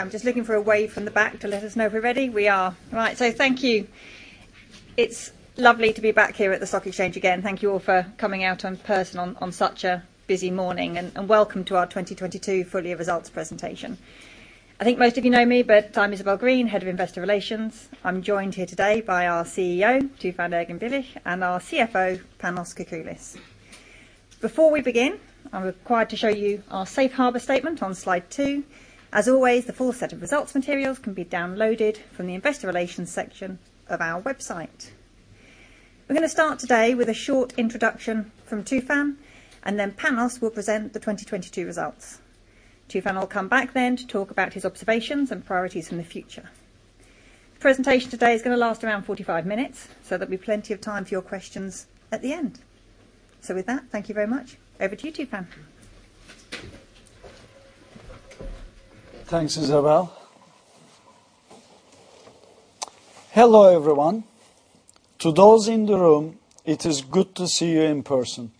I'm just looking for a wave from the back to let us know if we're ready. We are. Thank you. It's lovely to be back here at the Stock Exchange again. Thank you all for coming out in person on such a busy morning, and welcome to our 2022 Full Year Results presentation. I think most of you know me, but I'm Isabel Green, Head of Investor Relations. I'm joined here today by our CEO, Tufan Erginbilgic, and our CFO, Panos Kakoullis. I'm required to show you our Safe Harbor Statement on slide two. The full set of results materials can be downloaded from the Investor Relations section of our website. We're going to start today with a short introduction from Tufan, and then Panos will present the 2022 results. Tufan will come back then to talk about his observations and priorities for the future. The presentation today is going to last around 45 minutes so that we've plenty of time for your questions at the end. With that, thank you very much. Over to you, Tufan. Thanks, Isabel. Hello, everyone. To those in the room, it is good to see you in person.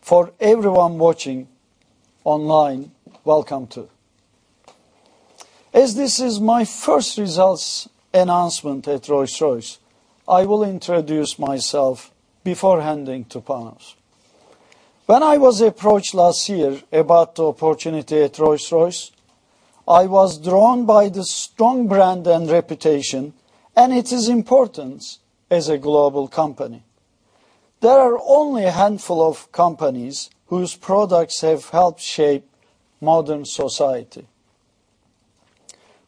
For everyone watching online, welcome too. As this is my first results announcement at Rolls-Royce, I will introduce myself before handing to Panos. When I was approached last year about the opportunity at Rolls-Royce, I was drawn by the strong brand and reputation and its importance as a global company. There are only a handful of companies whose products have helped shape modern society.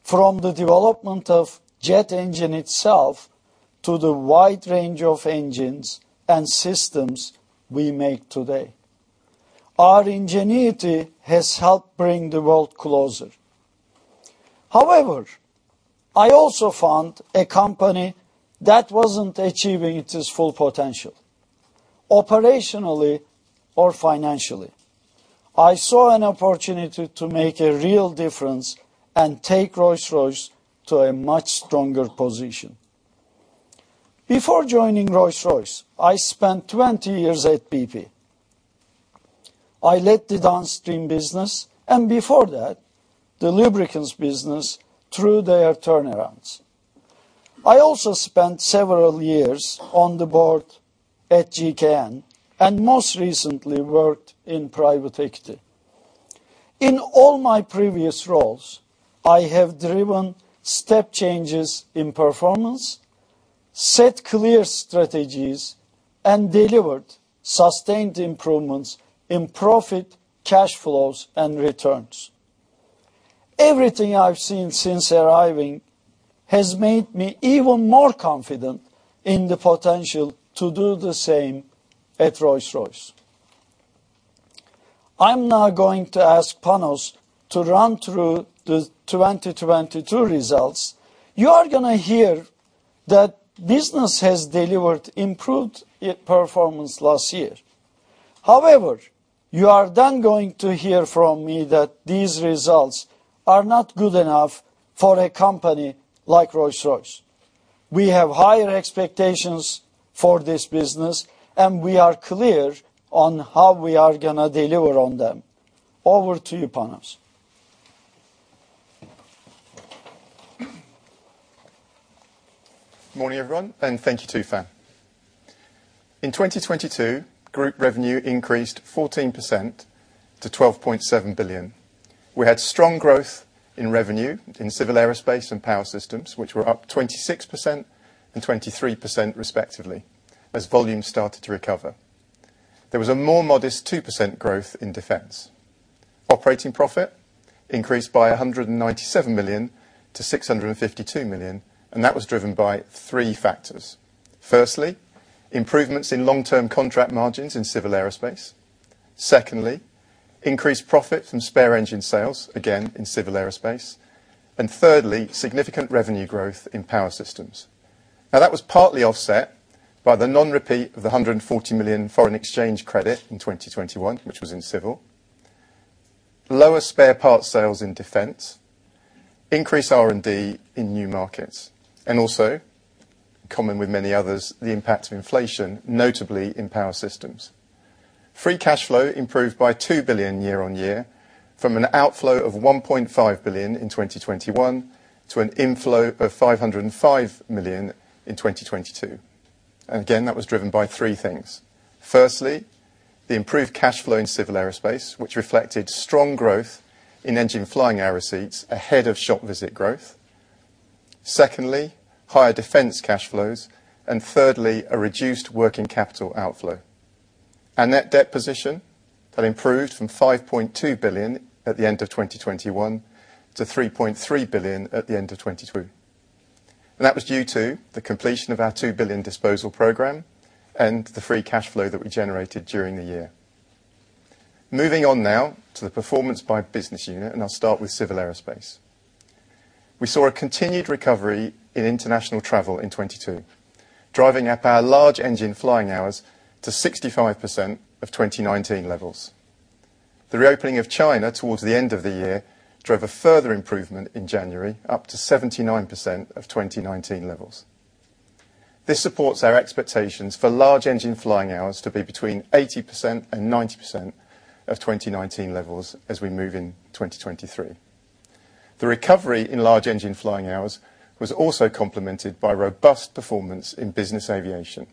From the development of jet engine itself to the wide range of engines and systems we make today, our ingenuity has helped bring the world closer. However, I also found a company that wasn't achieving its full potential operationally or financially. I saw an opportunity to make a real difference and take Rolls-Royce to a much stronger position. Before joining Rolls-Royce, I spent 20 years at BP. I led the downstream business and before that, the lubricants business through their turnarounds. I also spent several years on the board at GKN and most recently worked in private equity. In all my previous roles, I have driven step changes in performance, set clear strategies, and delivered sustained improvements in profit, cash flows, and returns. Everything I've seen since arriving has made me even more confident in the potential to do the same at Rolls-Royce. I'm now going to ask Panos to run through the 2022 results. You are going to hear that business has delivered improved performance last year. However, you are then going to hear from me that these results are not good enough for a company like Rolls-Royce. We have higher expectations for this business, and we are clear on how we are going to deliver on them. Over to you, Panos. Good morning, everyone, and thank you, Tufan. In 2022, group revenue increased 14% to 12.7 billion. We had strong growth in revenue in civil aerospace and Power Systems, which were up 26% and 23% respectively as volumes started to recover. There was a more modest 2% growth in Defence. Operating profit increased by 197 million to 652 million. That was driven by three factors. Firstly, improvements in long-term contract margins in civil aerospace. Secondly, increased profit from spare engine sales, again in civil aerospace. Thirdly, significant revenue growth in Power Systems. Now, that was partly offset by the non-repeat of the 140 million foreign exchange credit in 2021, which was in civil. Lower spare parts sales in Defence. Increased R&D in new markets. Also, common with many others, the impact of inflation, notably in Power Systems. Free cash flow improved by 2 billion year-over-year from an outflow of 1.5 billion in 2021 to an inflow of 505 million in 2022. Again, that was driven by three things. Firstly, the improved cash flow in Civil Aerospace, which reflected strong growth in engine flying aero seats ahead of shop visit growth. Secondly, higher Defence cash flows. Thirdly, a reduced working capital outflow. Net debt position that improved from 5.2 billion at the end of 2021 to 3.3 billion at the end of 2022. That was due to the completion of our 2 billion disposal program and the free cash flow that we generated during the year. Moving on now to the performance by business unit, I'll start with Civil Aerospace. We saw a continued recovery in international travel in 2022, driving up our large engine flying hours to 65% of 2019 levels. The reopening of China towards the end of the year drove a further improvement in January, up to 79% of 2019 levels. This supports our expectations for large engine flying hours to be between 80% and 90% of 2019 levels as we move in 2023. The recovery in large engine flying hours was also complemented by robust performance in business aviation.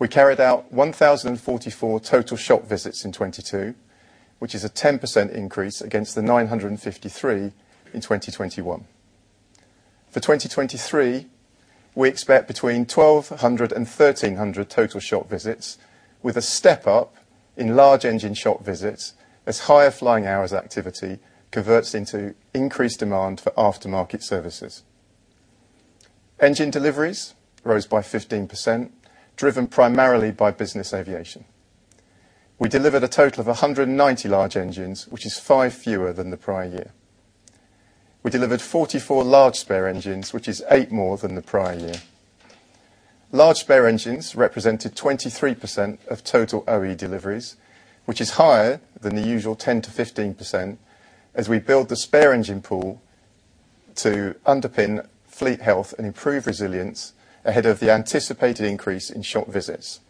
We carried out 1,044 total shop visits in 2022, which is a 10% increase against the 953 in 2021. For 2023, we expect between 1,200 and 1,300 total shop visits, with a step up in large engine shop visits as higher flying hours activity converts into increased demand for aftermarket services. Engine deliveries rose by 15%, driven primarily by business aviation. We delivered a total of 190 large engines, which is 5 fewer than the prior year. We delivered 44 large spare engines, which is eight more than the prior year. Large spare engines represented 23% of total OE deliveries, which is higher than the usual 10%-15% as we build the spare engine pool to underpin fleet health and improve resilience ahead of the anticipated increase in shop visits.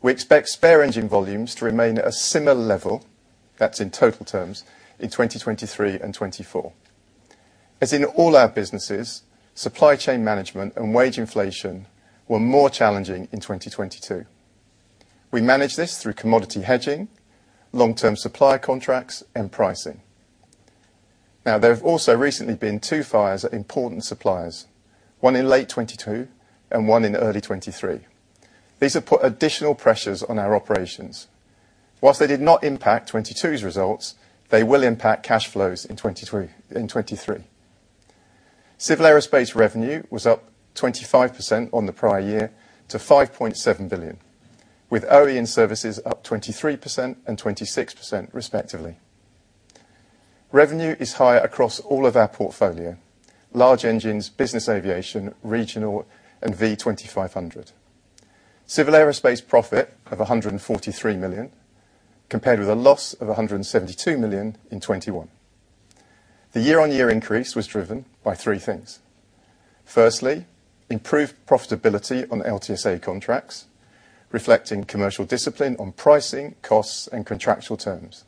We expect spare engine volumes to remain at a similar level, that's in total terms, in 2023 and 2024. As in all our businesses, supply chain management and wage inflation were more challenging in 2022. We manage this through commodity hedging, long-term supply contracts, and pricing. There have also recently been two fires at important suppliers, one in late 2022 and one in early 2023. These have put additional pressures on our operations. Whilst they did not impact 2022's results, they will impact cash flows in 2023. Civil aerospace revenue was up 25% on the prior year to 5.7 billion, with OE in services up 23% and 26% respectively. Revenue is higher across all of our portfolio: large engines, business aviation, regional, and V2500. Civil aerospace profit of 143 million, compared with a loss of 172 million in 2021. The year-on-year increase was driven by three things. Firstly, improved profitability on LTSA contracts, reflecting commercial discipline on pricing, costs, and contractual terms.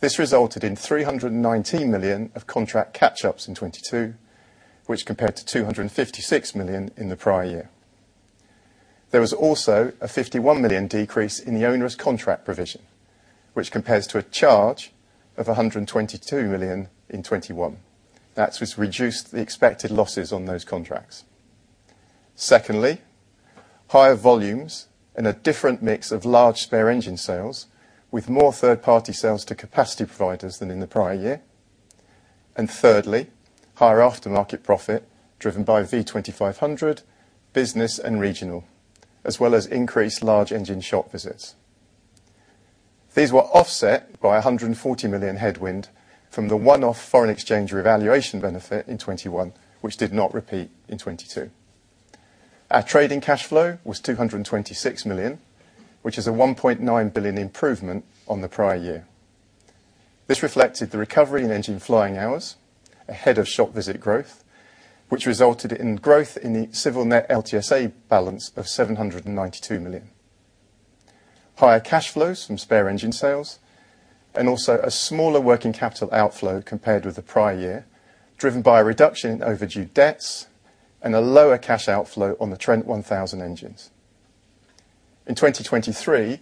This resulted in 319 million of contract catch-ups in 2022, which compared to 256 million in the prior year. There was also a 51 million decrease in the onerous contract provision, which compares to a charge of 122 million in 2021. That reduced the expected losses on those contracts. Secondly, higher volumes and a different mix of large spare engine sales, with more third-party sales to capacity providers than in the prior year. Thirdly, higher aftermarket profit driven by V2500, business, and regional, as well as increased large engine shop visits. These were offset by 140 million headwind from the one-off foreign exchange revaluation benefit in 2021, which did not repeat in 2022. Our trading cash flow was 226 million, which is a 1.9 billion improvement on the prior year. This reflected the recovery in engine flying hours ahead of shop visit growth, which resulted in growth in the civil net LTSA balance of 792 million. Higher cash flows from spare engine sales, a smaller working capital outflow compared with the prior year, driven by a reduction in overdue debts and a lower cash outflow on the Trent 1000 engines. In 2023,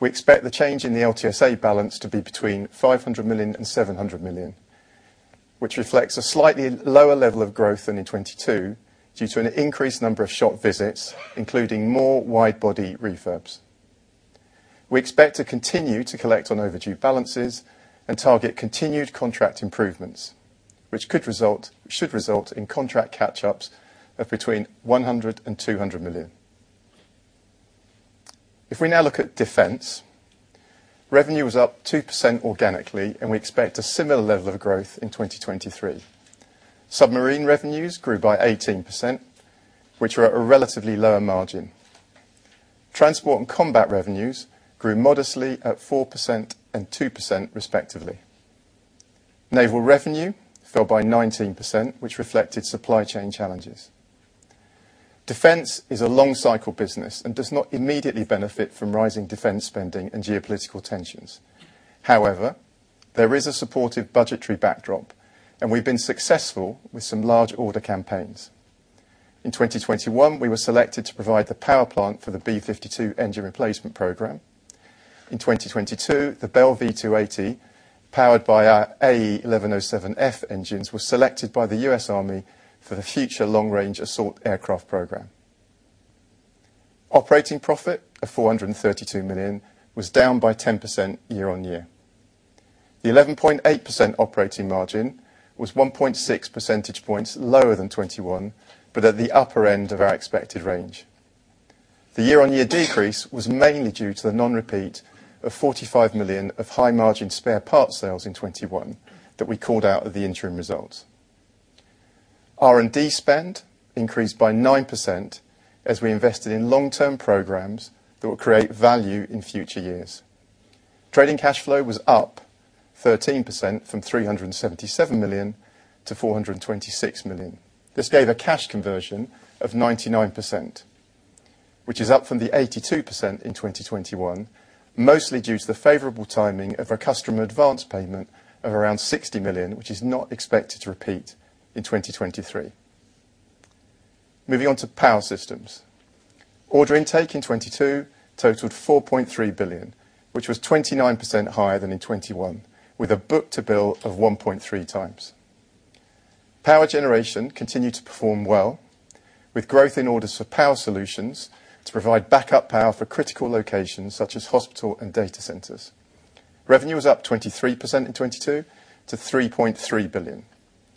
we expect the change in the LTSA balance to be between 500 million and 700 million, which reflects a slightly lower level of growth than in 2022 due to an increased number of shop visits, including more widebody refurbs. We expect to continue to collect on overdue balances and target continued contract improvements, which should result in contract catch-ups of between 100 million and 200 million. We now look at Defence, revenue was up 2% organically, and we expect a similar level of growth in 2023. Submarine revenues grew by 18%, which were at a relatively lower margin. Transport and combat revenues grew modestly at 4% and 2% respectively. Naval revenue fell by 19%, which reflected supply chain challenges. Defence is a long-cycle business and does not immediately benefit from rising Defence spending and geopolitical tensions. There is a supportive budgetary backdrop, and we've been successful with some large-order campaigns. In 2021, we were selected to provide the power plant for the B-52 engine replacement program. In 2022, the Bell V280, powered by our AE 1107F engines, was selected by the U.S. Army for the Future Long-Range Assault Aircraft program. Operating profit of 432 million was down by 10% year-on-year. The 11.8% operating margin was 1.6 percentage points lower than 2021, but at the upper end of our expected range. The year-on-year decrease was mainly due to the non-repeat of 45 million of high-margin spare parts sales in 2021 that we called out at the interim results. R&D spend increased by 9% as we invested in long-term programs that would create value in future years. Trading cash flow was up 13% from 377 million to 426 million. This gave a cash conversion of 99%, which is up from the 82% in 2021, mostly due to the favorable timing of a customer advance payment of around 60 million, which is not expected to repeat in 2023. Moving on to Power Systems. Order intake in 2022 totaled 4.3 billion, which was 29% higher than in 2021, with a book-to-bill of 1.3 times. Power generation continued to perform well, with growth in orders for power solutions to provide backup power for critical locations such as hospital and data centers. Revenue was up 23% in 2022 to 3.3 billion,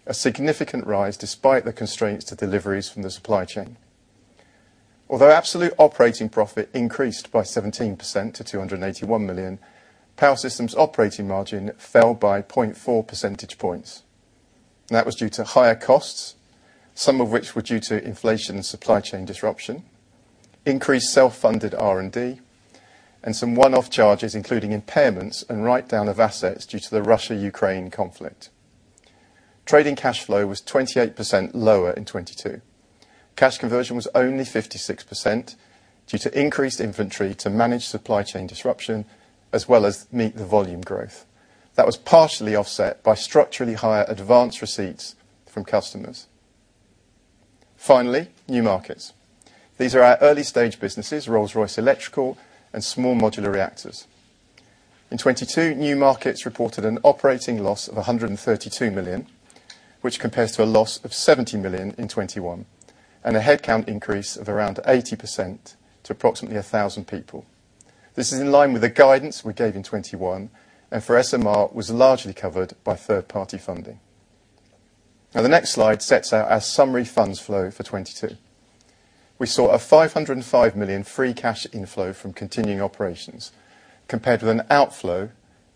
a significant rise despite the constraints to deliveries from the supply chain. Although absolute operating profit increased by 17% to 281 million, Power Systems operating margin fell by 0.4 percentage points. That was due to higher costs, some of which were due to inflation and supply chain disruption, increased self-funded R&D, and some one-off charges, including impairments and write-down of assets due to the Russia-UKraine conflict. Trading cash flow was 28% lower in 2022. Cash conversion was only 56% due to increased inventory to manage supply chain disruption as well as meet the volume growth. That was partially offset by structurally higher advance receipts from customers. New markets. These are our early-stage businesses, Rolls-Royce Electrical, and Small Modular Reactors. In 2022, new markets reported an operating loss of 132 million, which compares to a loss of 70 million in 2021, and a headcount increase of around 80% to approximately 1,000 people. This is in line with the guidance we gave in 2021, and for SMR was largely covered by third-party funding. The next slide sets out our summary funds flow for 2022. We saw a 505 million free cash inflow from continuing operations, compared with an outflow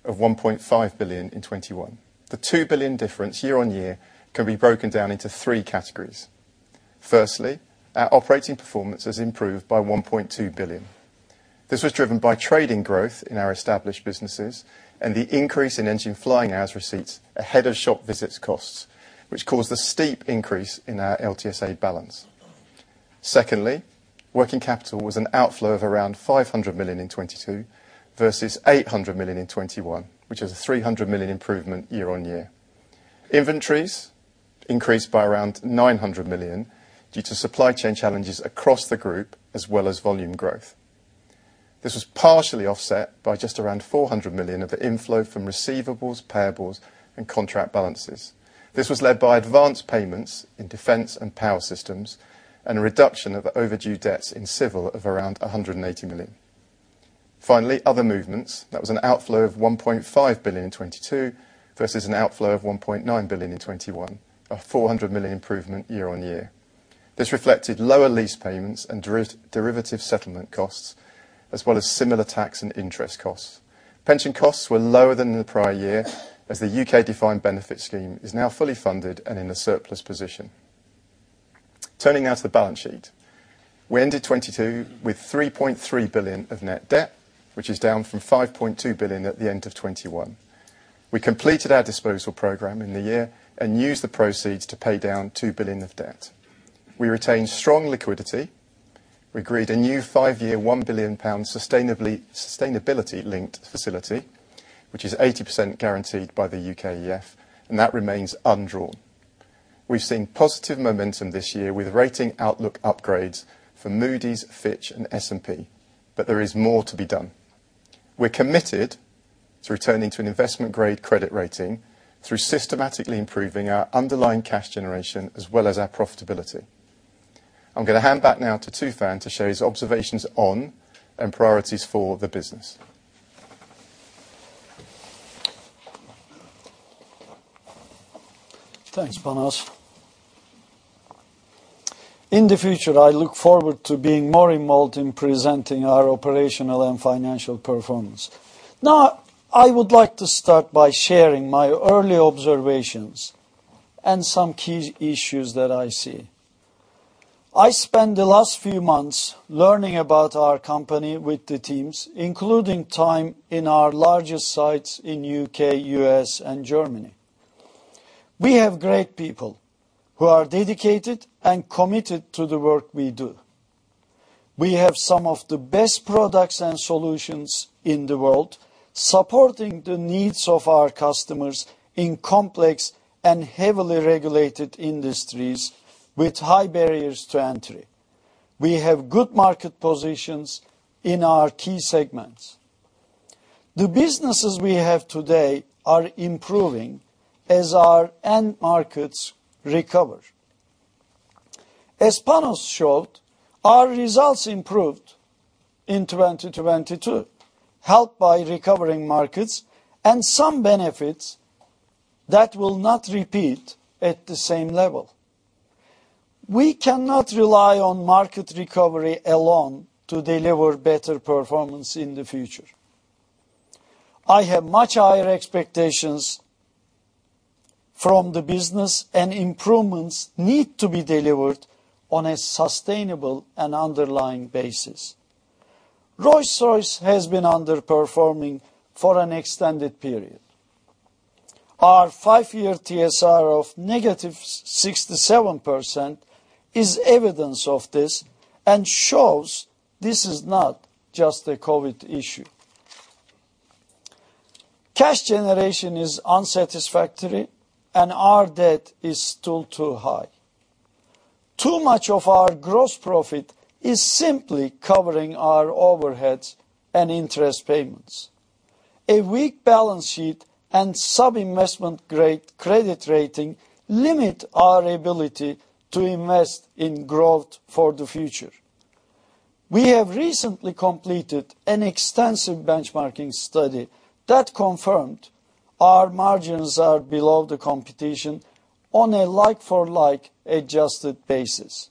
of 1.5 billion in 2021. The 2 billion difference year-over-year can be broken down into three categories. Our operating performance has improved by 1.2 billion. This was driven by trading growth in our established businesses and the increase in engine flying hours receipts ahead of shop visits costs, which caused the steep increase in our LTSA balance. Working capital was an outflow of around 500 million in 2022 versus 800 million in 2021, which is a 300 million improvement year-over-year. Inventories increased by around 900 million due to supply chain challenges across the group as well as volume growth. This was partially offset by just around 400 million of the inflow from receivables, payables, and contract balances. This was led by advance payments in Defence and Power Systems and a reduction of the overdue debts in civil of around 180 million. Finally, other movements. That was an outflow of 1.5 billion in 2022 versus an outflow of 1.9 billion in 2021, a 400 million improvement year-over-year. This reflected lower lease payments and derivative settlement costs, as well as similar tax and interest costs. Pension costs were lower than in the prior year as the U.K. defined benefit scheme is now fully funded and in a surplus position. Turning now to the balance sheet. We ended 2022 with 3.3 billion of net debt, which is down from 5.2 billion at the end of 2021. We completed our disposal program in the year and used the proceeds to pay down 2 billion of debt. We retained strong liquidity. We agreed a new five-year 1 billion pound sustainability-linked facility, which is 80% guaranteed by the U.K.EF. That remains undrawn. We've seen positive momentum this year with rating outlook upgrades for Moody's, Fitch, and S&P. There is more to be done. We're committed to returning to an investment-grade credit rating through systematically improving our underlying cash generation as well as our profitability. I'm going to hand back now to Tufan to share his observations on and priorities for the business. Thanks, Panos. In the future, I look forward to being more involved in presenting our operational and financial performance. I would like to start by sharing my early observations and some key issues that I see. I spent the last few months learning about our company with the teams, including time in our largest sites in the U.K., U.S., and Germany. We have great people who are dedicated and committed to the work we do. We have some of the best products and solutions in the world, supporting the needs of our customers in complex and heavily regulated industries with high barriers to entry. We have good market positions in our key segments. The businesses we have today are improving as our end markets recover. As Panos showed, our results improved in 2022, helped by recovering markets and some benefits that will not repeat at the same level. We cannot rely on market recovery alone to deliver better performance in the future. I have much higher expectations from the business. Improvements need to be delivered on a sustainable and underlying basis. Rolls-Royce has been underperforming for an extended period. Our five-year TSR of negative 67% is evidence of this and shows this is not just a COVID issue. Cash generation is unsatisfactory. Our debt is still too high. Too much of our gross profit is simply covering our overheads and interest payments. A weak balance sheet and sub-investment-grade credit rating limit our ability to invest in growth for the future. We have recently completed an extensive benchmarking study that confirmed our margins are below the competition on a like-for-like Adjusted basis.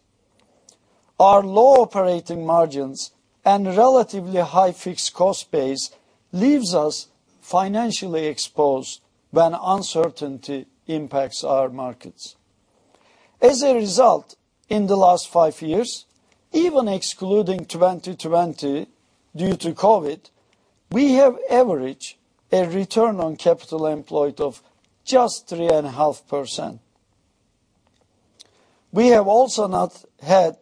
Our low operating margins and relatively high fixed cost base leave us financially exposed when uncertainty impacts our markets. As a result, in the last five years, even excluding 2020 due to COVID, we have averaged a return on capital employed of just 3.5%. We have also not had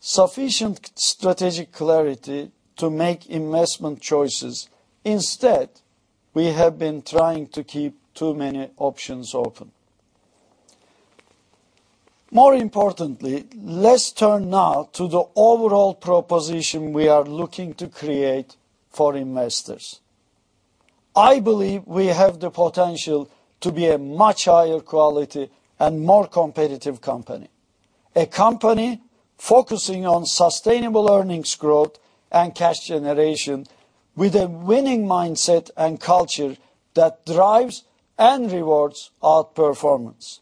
sufficient strategic clarity to make investment choices. Instead, we have been trying to keep too many options open. More importantly, let's turn now to the overall proposition we are looking to create for investors. I believe we have the potential to be a much higher quality and more competitive company, a company focusing on sustainable earnings growth and cash generation with a winning mindset and culture that drives and rewards outperformance.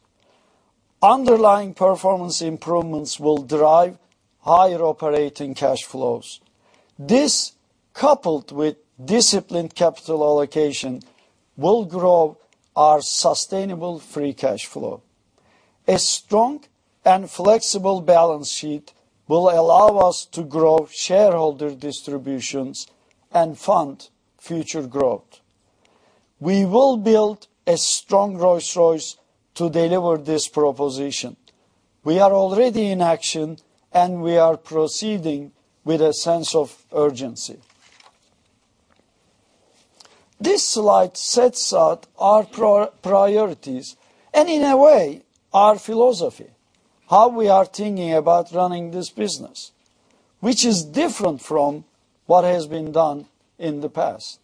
Underlying performance improvements will drive higher operating cash flows. This, coupled with disciplined capital allocation, will grow our sustainable free cash flow. A strong and flexible balance sheet will allow us to grow shareholder distributions and fund future growth. We will build a strong Rolls-Royce to deliver this proposition. We are already in action, and we are proceeding with a sense of urgency. This slide sets out our priorities and, in a way, our philosophy, how we are thinking about running this business, which is different from what has been done in the past.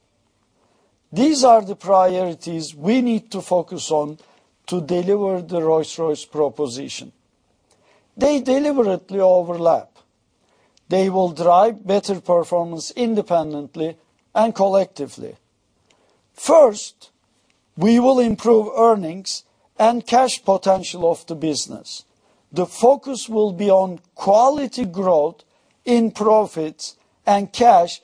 These are the priorities we need to focus on to deliver the Rolls-Royce proposition. They deliberately overlap. They will drive better performance independently and collectively. First, we will improve earnings and cash potential of the business. The focus will be on quality growth in profits and cash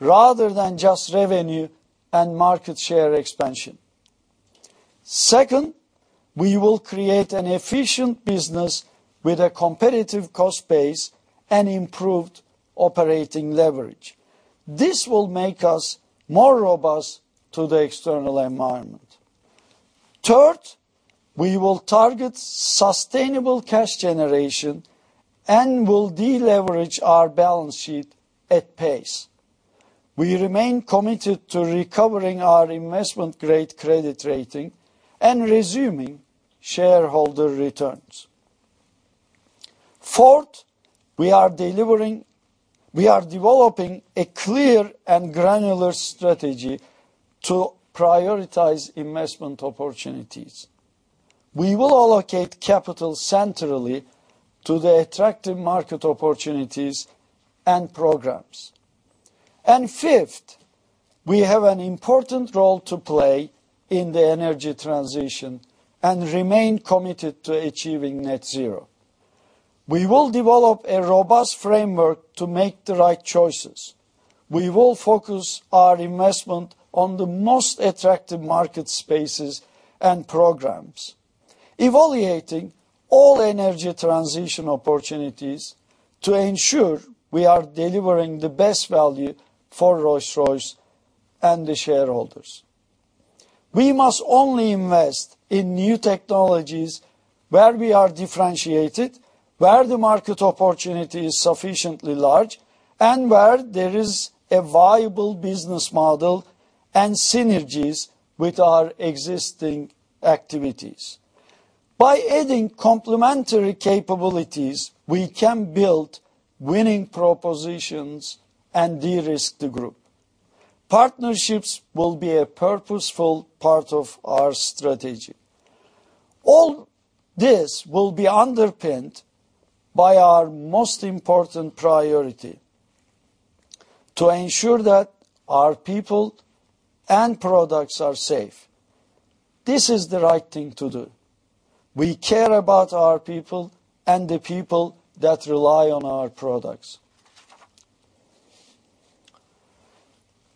rather than just revenue and market share expansion. Second, we will create an efficient business with a competitive cost base and improved operating leverage. This will make us more robust to the external environment. Third, we will target sustainable cash generation and will deleverage our balance sheet at pace. We remain committed to recovering our investment-grade credit rating and resuming shareholder returns. Fourth, we are developing a clear and granular strategy to prioritize investment opportunities. We will allocate capital centrally to the attractive market opportunities and programs. Fifth, we have an important role to play in the energy transition and remain committed to achieving net zero. We will develop a robust framework to make the right choices. We will focus our investment on the most attractive market spaces and programs, evaluating all energy transition opportunities to ensure we are delivering the best value for Rolls-Royce and the shareholders. We must only invest in new technologies where we are differentiated, where the market opportunity is sufficiently large, and where there is a viable business model and synergies with our existing activities. By adding complementary capabilities, we can build winning propositions and de-risk the group. Partnerships will be a purposeful part of our strategy. All this will be underpinned by our most important priority: to ensure that our people and products are safe. This is the right thing to do. We care about our people and the people that rely on our products.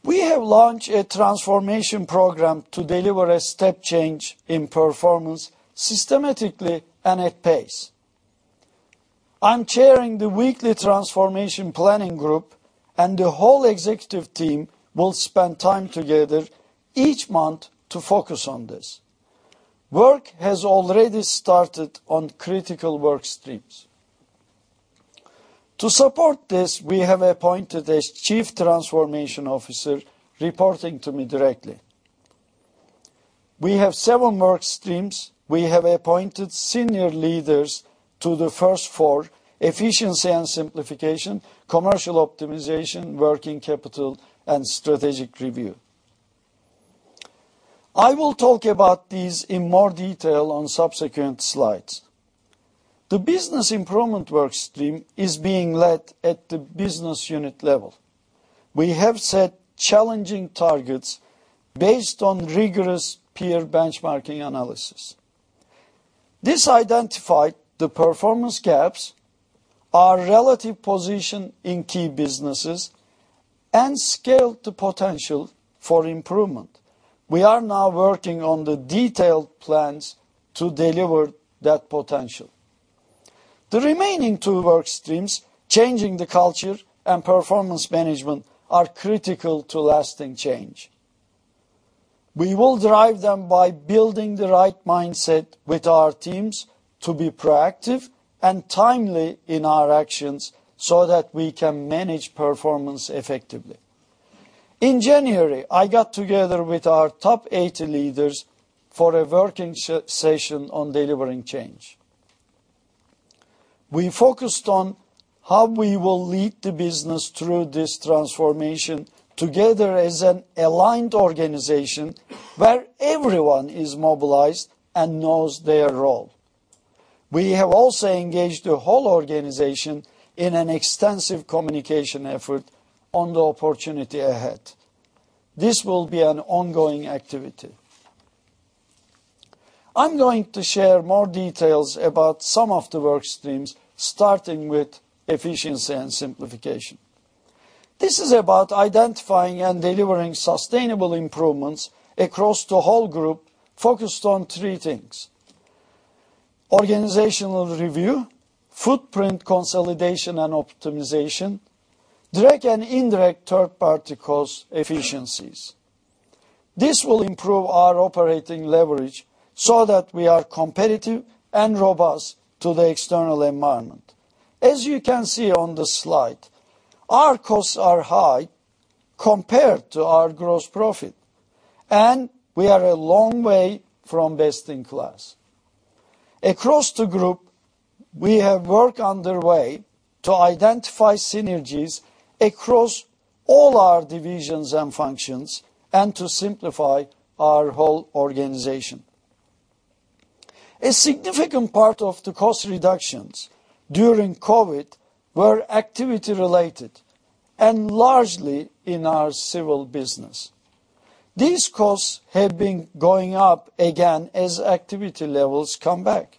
We have launched a transformation program to deliver a step change in performance systematically and at pace. I'm chairing the weekly transformation planning group, and the whole executive team will spend time together each month to focus on this. Work has already started on critical work streams. To support this, we have appointed a chief transformation officer reporting to me directly. We have seven work streams. We have appointed senior leaders to the first four: efficiency and simplification, commercial optimization, working capital, and strategic review. I will talk about these in more detail on subsequent slides. The business improvement work stream is being led at the business unit level. We have set challenging targets based on rigorous peer benchmarking analysis. This identified the performance gaps, our relative position in key businesses, and scaled the potential for improvement. We are now working on the detailed plans to deliver that potential. The remaining two work streams, changing the culture and performance management, are critical to lasting change. We will drive them by building the right mindset with our teams to be proactive and timely in our actions so that we can manage performance effectively. In January, I got together with our top 80 leaders for a working session on delivering change. We focused on how we will lead the business through this transformation together as an aligned organization where everyone is mobilized and knows their role. We have also engaged the whole organization in an extensive communication effort on the opportunity ahead. This will be an ongoing activity. I'm going to share more details about some of the work streams, starting with efficiency and simplification. This is about identifying and delivering sustainable improvements across the whole group focused on three things: organizational review, footprint consolidation and optimization, direct and indirect third-party cost efficiencies. This will improve our operating leverage so that we are competitive and robust to the external environment. As you can see on the slide, our costs are high compared to our gross profit, and we are a long way from best-in-class. Across the group, we have work underway to identify synergies across all our divisions and functions and to simplify our whole organization. A significant part of the cost reductions during COVID were activity-related and largely in our civil business. These costs have been going up again as activity levels come back.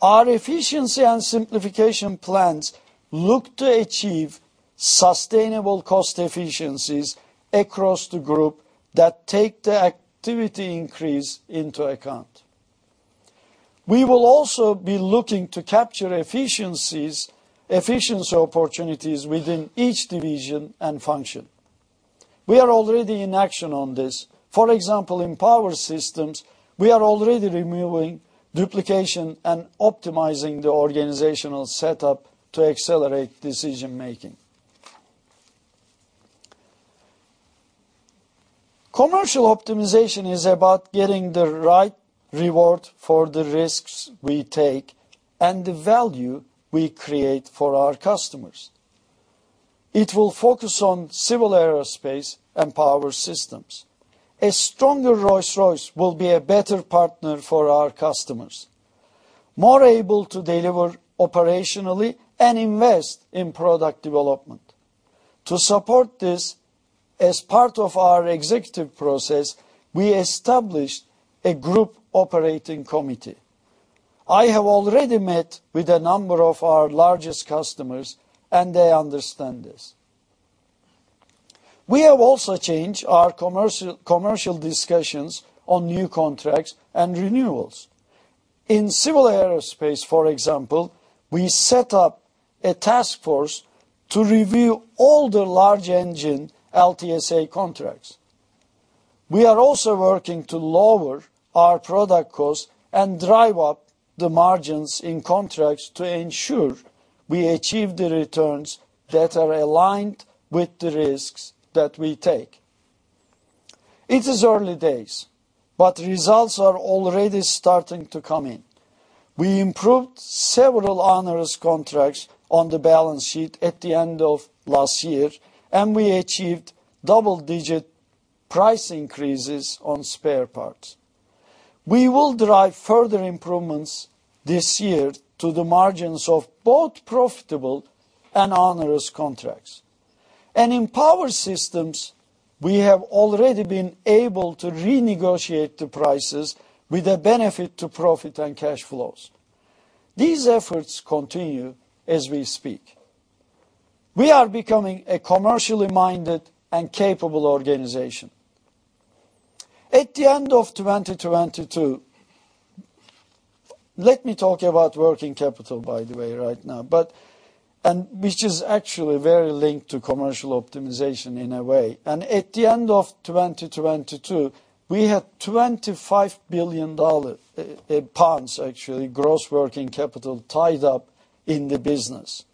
Our efficiency and simplification plans look to achieve sustainable cost efficiencies across the group that take the activity increase into account. We will also be looking to capture efficiency opportunities within each division and function. We are already in action on this. For example, in Power Systems, we are already removing duplication and optimizing the organizational setup to accelerate decision-making. Commercial optimization is about getting the right reward for the risks we take and the value we create for our customers. It will focus on civil aerospace and Power Systems. A stronger Rolls-Royce will be a better partner for our customers, more able to deliver operationally and invest in product development. To support this, as part of our executive process, we established a group operating committee. I have already met with a number of our largest customers. They understand this. We have also changed our commercial discussions on new contracts and renewals. In civil aerospace, for example, we set up a task force to review all the large engine LTSA contracts. We are also working to lower our product costs and drive up the margins in contracts to ensure we achieve the returns that are aligned with the risks that we take. It is early days. Results are already starting to come in. We improved several onerous contracts on the balance sheet at the end of last year. We achieved double-digit price increases on spare parts. We will drive further improvements this year to the margins of both profitable and onerous contracts. In Power Systems, we have already been able to renegotiate the prices with a benefit to profit and cash flows. These efforts continue as we speak. We are becoming a commercially minded and capable organization. At the end of 2022, let me talk about working capital, by the way, right now, which is actually very linked to commercial optimization in a way. At the end of 2022, we had GBP 25 billion, actually, gross working capital tied up in the business.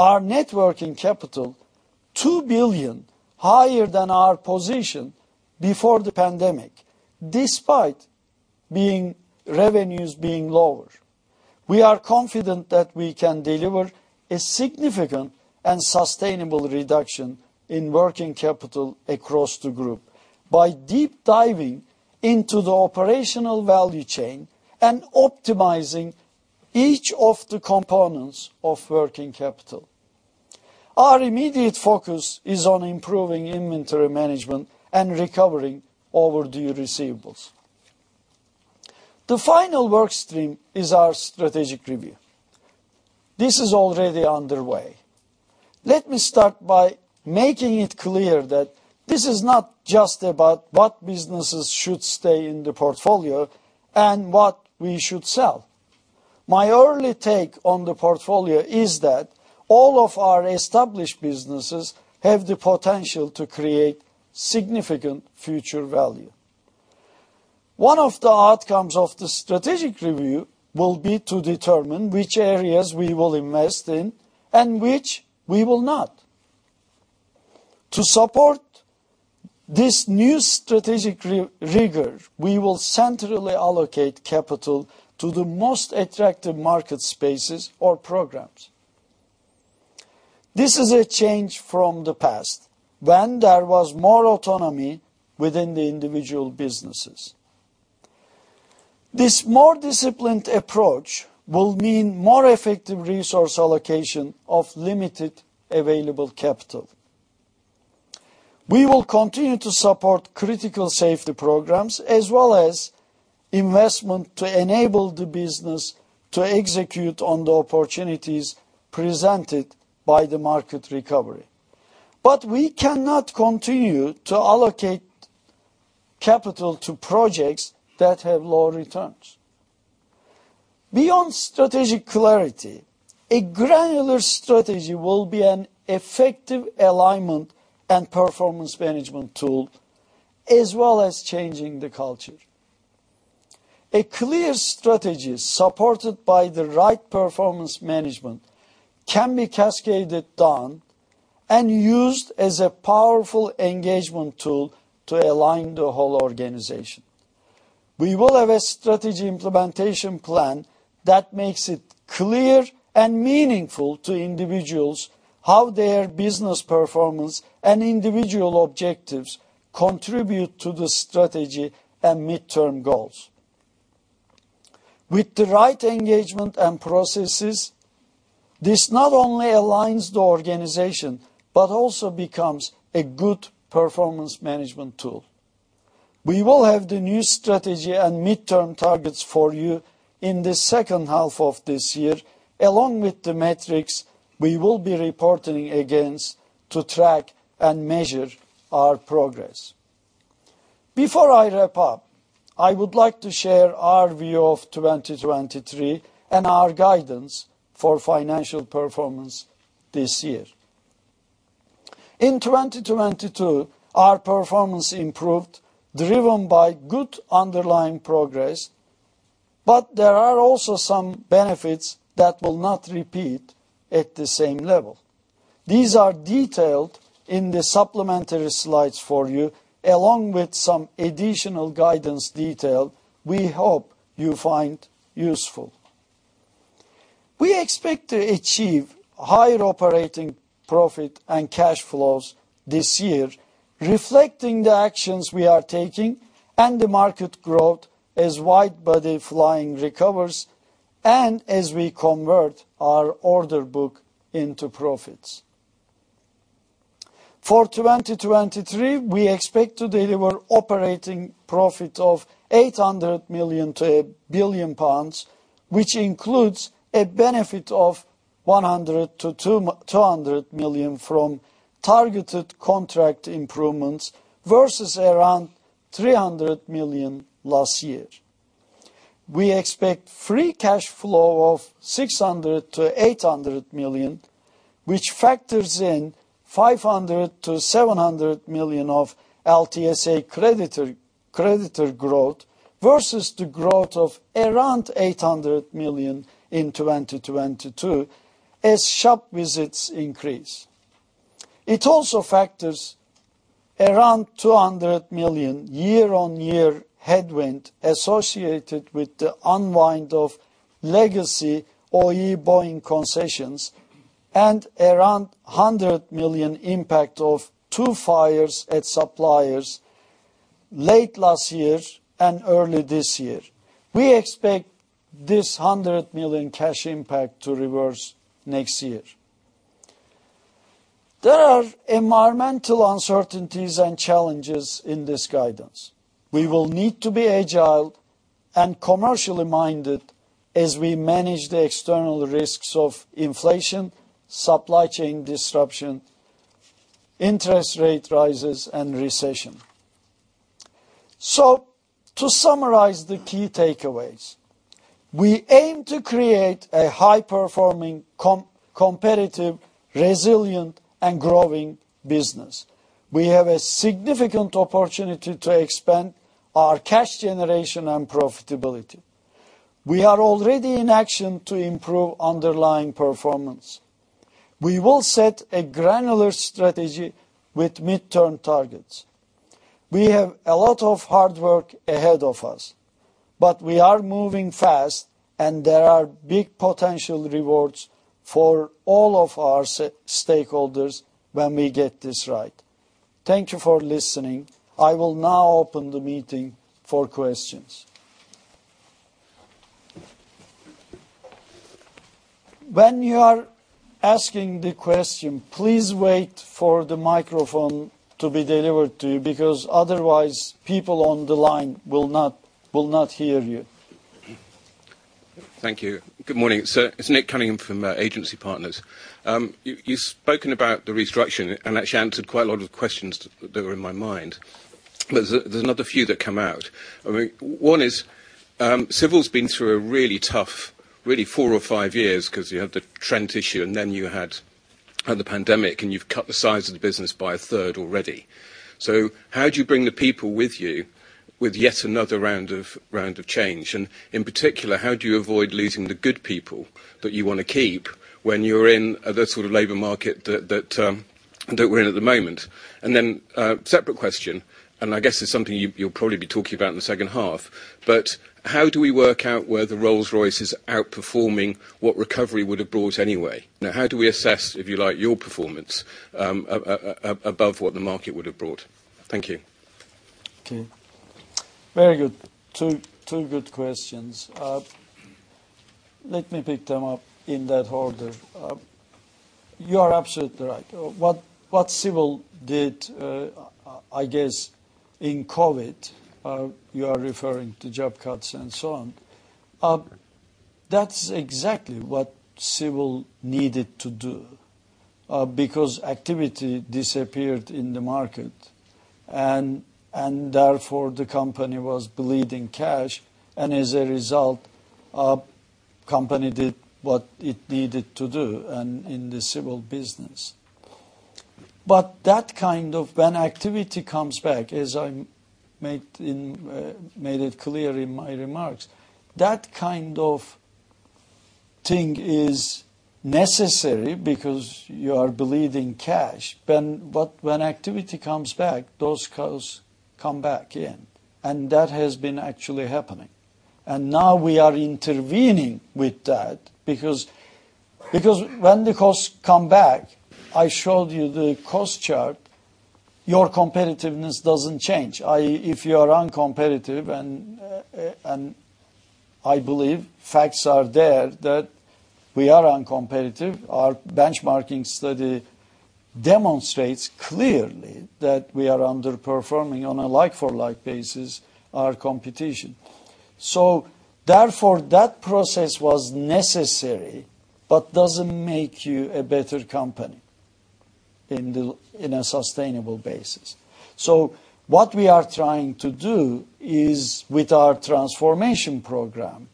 Our net working capital, 2 billion, higher than our position before the pandemic despite revenues being lower. We are confident that we can deliver a significant and sustainable reduction in working capital across the group by deep diving into the operational value chain and optimizing each of the components of working capital. Our immediate focus is on improving inventory management and recovering overdue receivables. The final work stream is our strategic review. This is already underway. Let me start by making it clear that this is not just about what businesses should stay in the portfolio and what we should sell. My early take on the portfolio is that all of our established businesses have the potential to create significant future value. One of the outcomes of the strategic review will be to determine which areas we will invest in and which we will not. To support this new strategic rigor, we will centrally allocate capital to the most attractive market spaces or programs. This is a change from the past when there was more autonomy within the individual businesses. This more disciplined approach will mean more effective resource allocation of limited available capital. We will continue to support critical safety programs as well as investment to enable the business to execute on the opportunities presented by the market recovery. We cannot continue to allocate capital to projects that have low returns. Beyond strategic clarity, a granular strategy will be an effective alignment and performance management tool as well as changing the culture. A clear strategy supported by the right performance management can be cascaded down and used as a powerful engagement tool to align the whole organization. We will have a strategy implementation plan that makes it clear and meaningful to individuals how their business performance and individual objectives contribute to the strategy and mid-term goals. With the right engagement and processes, this not only aligns the organization but also becomes a good performance management tool. We will have the new strategy and mid-term targets for you in the second half of this year along with the metrics we will be reporting against to track and measure our progress. Before I wrap up, I would like to share our view of 2023 and our guidance for financial performance this year. In 2022, our performance improved driven by good underlying progress. There are also some benefits that will not repeat at the same level. These are detailed in the supplementary slides for you along with some additional guidance detail we hope you find useful. We expect to achieve higher operating profit and cash flows this year reflecting the actions we are taking and the market growth as widebody flying recovers and as we convert our order book into profits. For 2023, we expect to deliver operating profit of 800 million-1 billion pounds, which includes a benefit of 100-200 million from targeted contract improvements versus around 300 million last year. We expect free cash flow of $600-800 million, which factors in $500-700 million of LTSA creditor growth versus the growth of around $800 million in 2022 as shop visits increase. It also factors around $200 million year-on-year headwind associated with the unwind of legacy OE Boeing concessions and around $100 million impact of two fires at suppliers late last year and early this year. We expect this $100 million cash impact to reverse next year. There are environmental uncertainties and challenges in this guidance. We will need to be agile and commercially minded as we manage the external risks of inflation, supply chain disruption, interest rate rises, and recession. To summarize the key takeaways, we aim to create a high-performing, competitive, resilient, and growing business. We have a significant opportunity to expand our cash generation and profitability. We are already in action to improve underlying performance. We will set a granular strategy with mid-term targets. We have a lot of hard work ahead of us. We are moving fast, and there are big potential rewards for all of our stakeholders when we get this right. Thank you for listening. I will now open the meeting for questions. When you are asking the question, please wait for the microphone to be delivered to you because otherwise, people on the line will not hear you. Thank you. Good morning. It's Nick Cunningham from Agency Partners. You've spoken about the restructuring and actually answered quite a lot of the questions that were in my mind. There's another few that come out. One is, Civil's been through a really tough, really four or five years because you had the Trent issue and then you had the pandemic, and you've cut the size of the business by a third already. How do you bring the people with you with yet another round of change? In particular, how do you avoid losing the good people that you want to keep when you're in the sort of labor market that we're in at the moment? Then a separate question, and I guess it's something you'll probably be talking about in the second half. How do we work out where the Rolls-Royce is outperforming what recovery would have brought anyway? How do we assess, if you like, your performance above what the market would have brought? Thank you. Okay. Very good. Two good questions. Let me pick them up in that order. You are absolutely right. What civil did, I guess, in COVID, you are referring to job cuts and so on, that's exactly what civil needed to do because activity disappeared in the market. Therefore, the company was bleeding cash. As a result, the company did what it needed to do in the civil business. That kind of when activity comes back, as I made it clear in my remarks, that kind of thing is necessary because you are bleeding cash. When activity comes back, those costs come back in. That has been actually happening. Now we are intervening with that because when the costs come back, I showed you the cost chart, your competitiveness doesn't change. If you are uncompetitive, and I believe facts are there that we are uncompetitive, our benchmarking study demonstrates clearly that we are underperforming on a like-for-like basis, our competition. Therefore, that process was necessary but doesn't make you a better company in a sustainable basis. What we are trying to do with our transformation program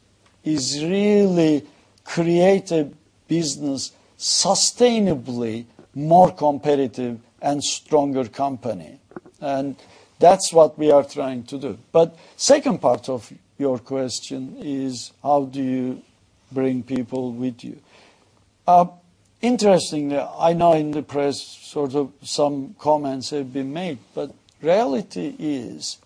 is really create a business sustainably more competitive and stronger company. That's what we are trying to do. The second part of your question is how do you bring people with you? Interestingly, I know in the press sort of some comments have been made. Reality is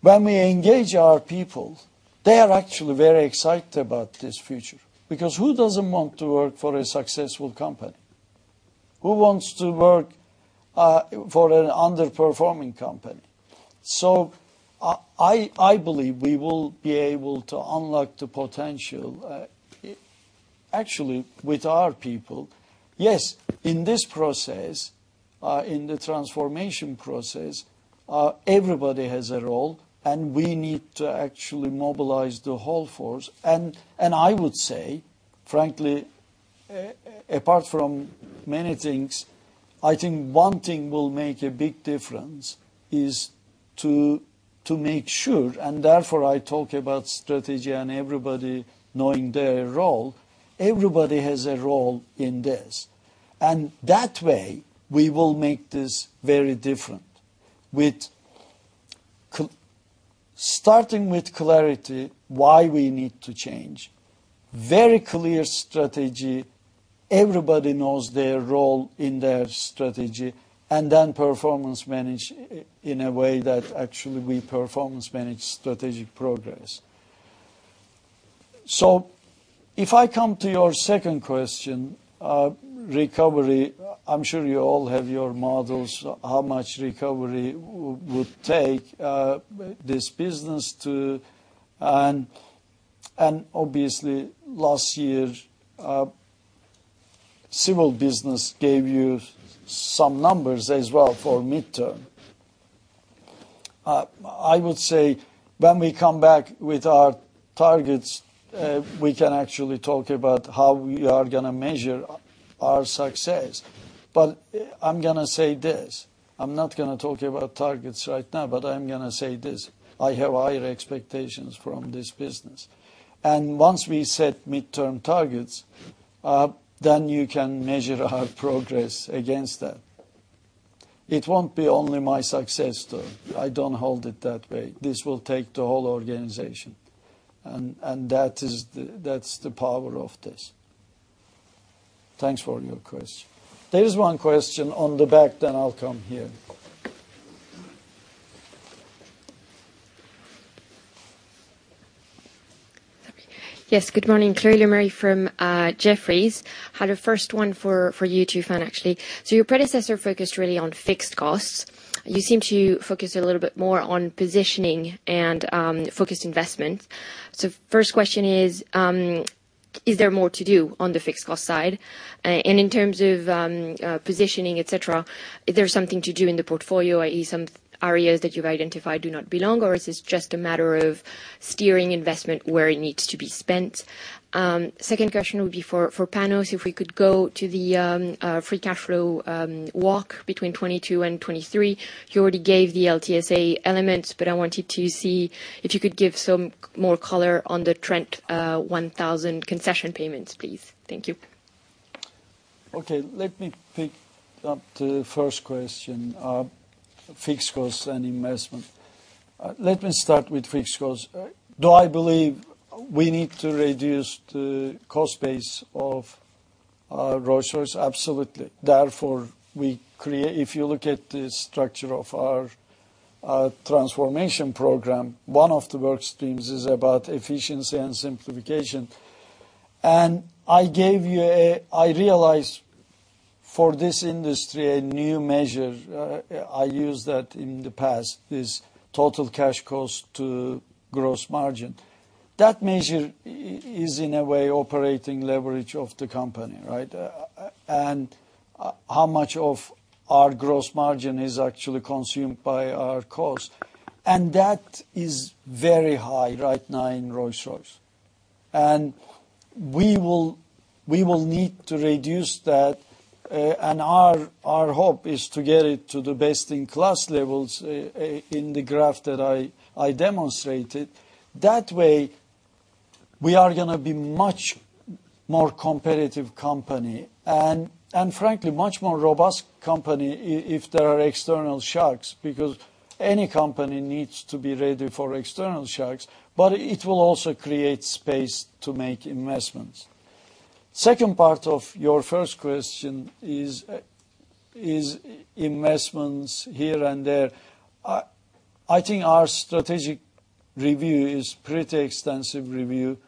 when we engage our people, they are actually very excited about this future because who doesn't want to work for a successful company? Who wants to work for an underperforming company? I believe we will be able to unlock the potential actually with our people. Yes, in this process, in the transformation process, everybody has a role, and we need to actually mobilize the whole force. I would say, frankly, apart from many things, I think one thing will make a big difference is to make sure and therefore, I talk about strategy and everybody knowing their role. Everybody has a role in this. That way, we will make this very different with starting with clarity why we need to change, very clear strategy, everybody knows their role in their strategy, and then performance manage in a way that actually we performance manage strategic progress. If I come to your second question, recovery, I'm sure you all have your models how much recovery would take this business to and obviously, last year, civil business gave you some numbers as well for mid-term. I would say when we come back with our targets, we can actually talk about how we are going to measure our success. I'm going to say this. I'm not going to talk about targets right now, but I'm going to say this. I have higher expectations from this business. Once we set mid-term targets, then you can measure our progress against that. It won't be only my success, though. I don't hold it that way. This will take the whole organization. That's the power of this. Thanks for your question. There is one question on the back, then I'll come here. Yes. Good morning. Chloe Lemarie from Jefferies. Had a first one for you, Tufan, actually. Your predecessor focused really on fixed costs. You seem to focus a little bit more on positioning and focused investments. First question is there more to do on the fixed cost side? In terms of positioning, etc., is there something to do in the portfolio, i.e., some areas that you've identified do not belong, or is it just a matter of steering investment where it needs to be spent? Second question would be for Panos. If we could go to the free cash flow walk between 2022 and 2023, you already gave the LTSA elements, but I wanted to see if you could give some more color on the Trent 1000 concession payments, please. Thank you. Okay. Let me pick up the first question. Fixed costs and investment. Let me start with fixed costs. Do I believe we need to reduce the cost base of Rolls-Royce? Absolutely. Therefore, if you look at the structure of our transformation program, one of the workstreams is about efficiency and simplification. I gave you for this industry, a new measure. I used that in the past, this total cash cost to gross margin. That measure is, in a way, operating leverage of the company, right? How much of our gross margin is actually consumed by our costs? That is very high right now in Rolls-Royce. We will need to reduce that. Our hope is to get it to the best-in-class levels in the graph that I demonstrated. That way, we are going to be a much more competitive company and, frankly, a much more robust company if there are external shocks is investments here and there. I think our strategic review is a pretty extensive review.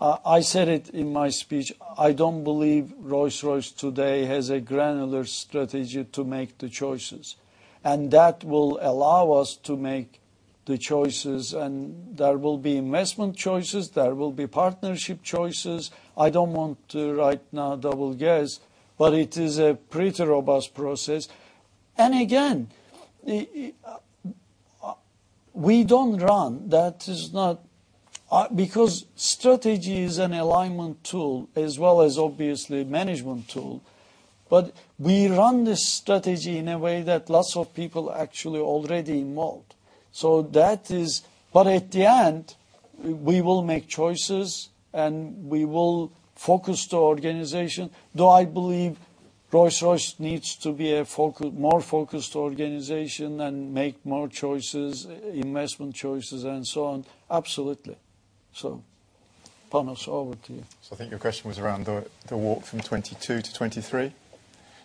I said it in my speech. I don't believe Rolls-Royce today has a granular strategy to make the choices. That will allow us to make the choices. There will be investment choices. There will be partnership choices. I don't want to right now double-guess, but it is a pretty robust process. Again, we don't run. That is not because strategy is an alignment tool as well as, obviously, a management tool. We run this strategy in a way that lots of people are actually already involved. At the end, we will make choices, and we will focus the organization. Do I believe Rolls-Royce needs to be a more focused organization and make more choices, investment choices, and so on? Absolutely. Panos, over to you. I think your question was around the walk from 2022 to 2023,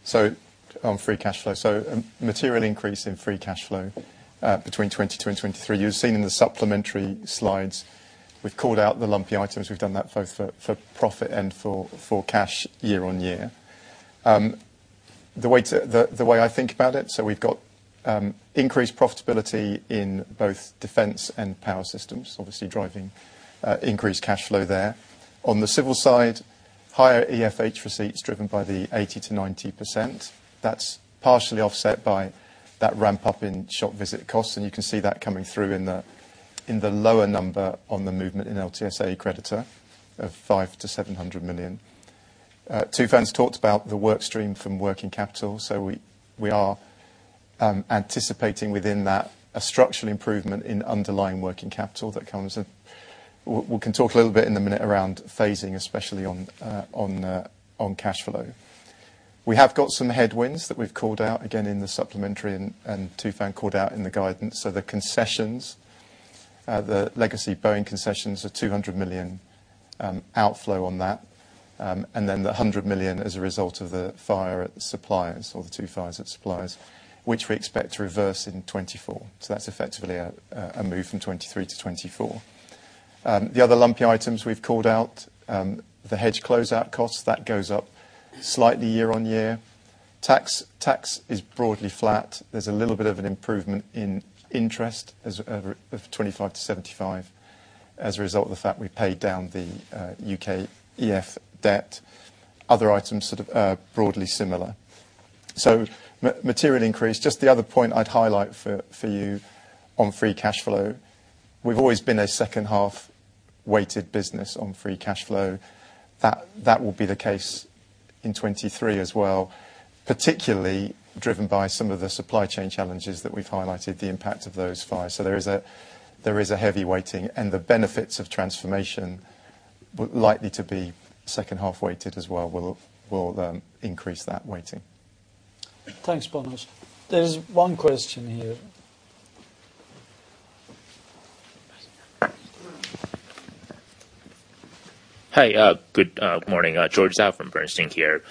so on free cash flow. A material increase in free cash flow between 2022 and 2023. You've seen in the supplementary slides, we've called out the lumpy items. We've done that both for profit and for cash year-on-year. The way I think about it, we've got increased profitability in both Defence and Power Systems, obviously driving increased cash flow there. On the civil side, higher EFH receipts driven by the 80%-90%. That's partially offset by that ramp-up in shop visit costs. You can see that coming through in the lower number on the movement in LTSA creditor of 5 million-700 million. Tufan's talked about the workstream from working capital. We are anticipating within that a structural improvement in underlying working capital that comes we can talk a little bit in a minute around phasing, especially on cash flow. We have got some headwinds that we've called out again in the supplementary and Tufan called out in the guidance. The concessions, the legacy Boeing concessions, a 200 million outflow on that. The 100 million as a result of the fire at suppliers or the 2 fires at suppliers, which we expect to reverse in 2024. That's effectively a move from 2023 to 2024. The other lumpy items we've called out, the hedge closeout costs, that goes up slightly year-on-year. Tax is broadly flat. There's a little bit of an improvement in interest of 25-75 as a result of the fact we paid down the U.K. EF debt. Other items sort of broadly similar. Material increase. Just the other point I'd highlight for you on free cash flow, we've always been a second-half-weighted business on free cash flow. That will be the case in 2023 as well, particularly driven by some of the supply chain challenges that we've highlighted, the impact of those fires. There is a heavy weighting. The benefits of transformation will likely be second-half-weighted as well. We'll increase that weighting. Thanks, Panos. There is one question here. Hi. Good morning. George Zhao from Bernstein here.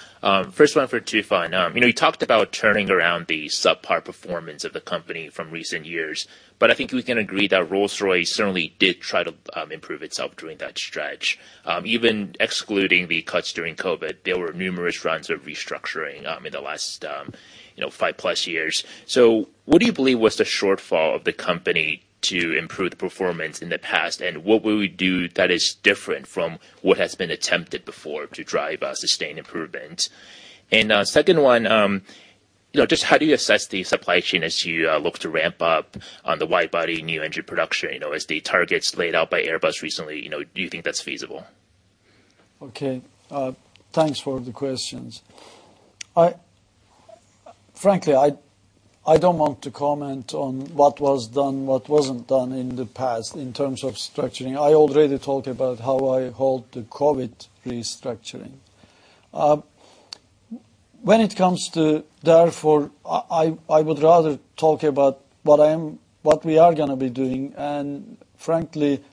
First one for Tufan. You talked about turning around the subpar performance of the company from recent years. I think we can agree that Rolls-Royce certainly did try to improve itself during that stretch. Even excluding the cuts during COVID, there were numerous runs of restructuring in the last five-plus years. What do you believe was the shortfall of the company to improve the performance in the past? What will we do that is different from what has been attempted before to drive sustained improvement? Second one, just how do you assess the supply chain as you look to ramp up on the widebody new engine production? As the targets laid out by Airbus recently, do you think that's feasible? Okay. Thanks for the questions. Frankly, I don't want to comment on what was done, what wasn't done in the past in terms of structuring. I already talked about how I hold the COVID restructuring. When it comes to therefore, I would rather talk about what we are going to be doing. Frankly,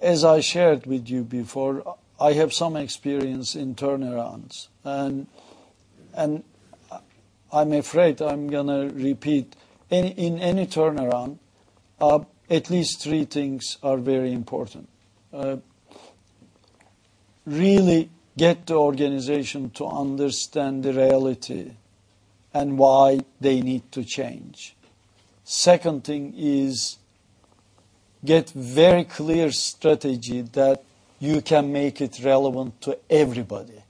as I shared with you before, I have some experience in turnarounds. I'm afraid I'm going to repeat. In any turnaround, at least three things are very important. Really get the organization to understand the reality and why they need to change. Second thing is get a very clear strategy that you can make it relevant to everybody.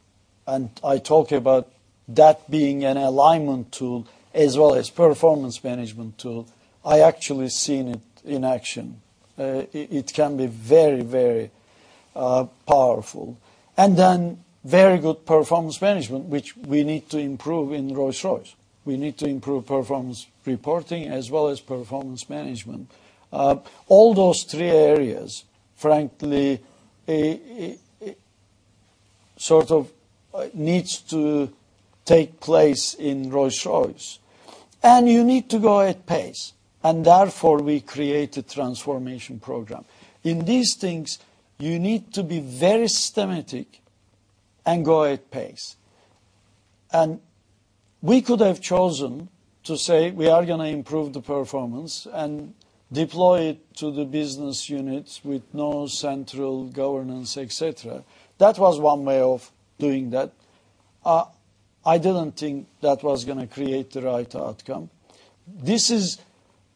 I talk about that being an alignment tool as well as a performance management tool. I actually seen it in action. It can be very powerful. Very good performance management, which we need to improve in Rolls-Royce. We need to improve performance reporting as well as performance management. All those three areas, frankly, sort of need to take place in Rolls-Royce. You need to go at pace. Therefore, we create a transformation program. In these things, you need to be very systematic and go at pace. We could have chosen to say, "We are going to improve the performance and deploy it to the business units with no central governance," etc. That was one way of doing that. I didn't think that was going to create the right outcome.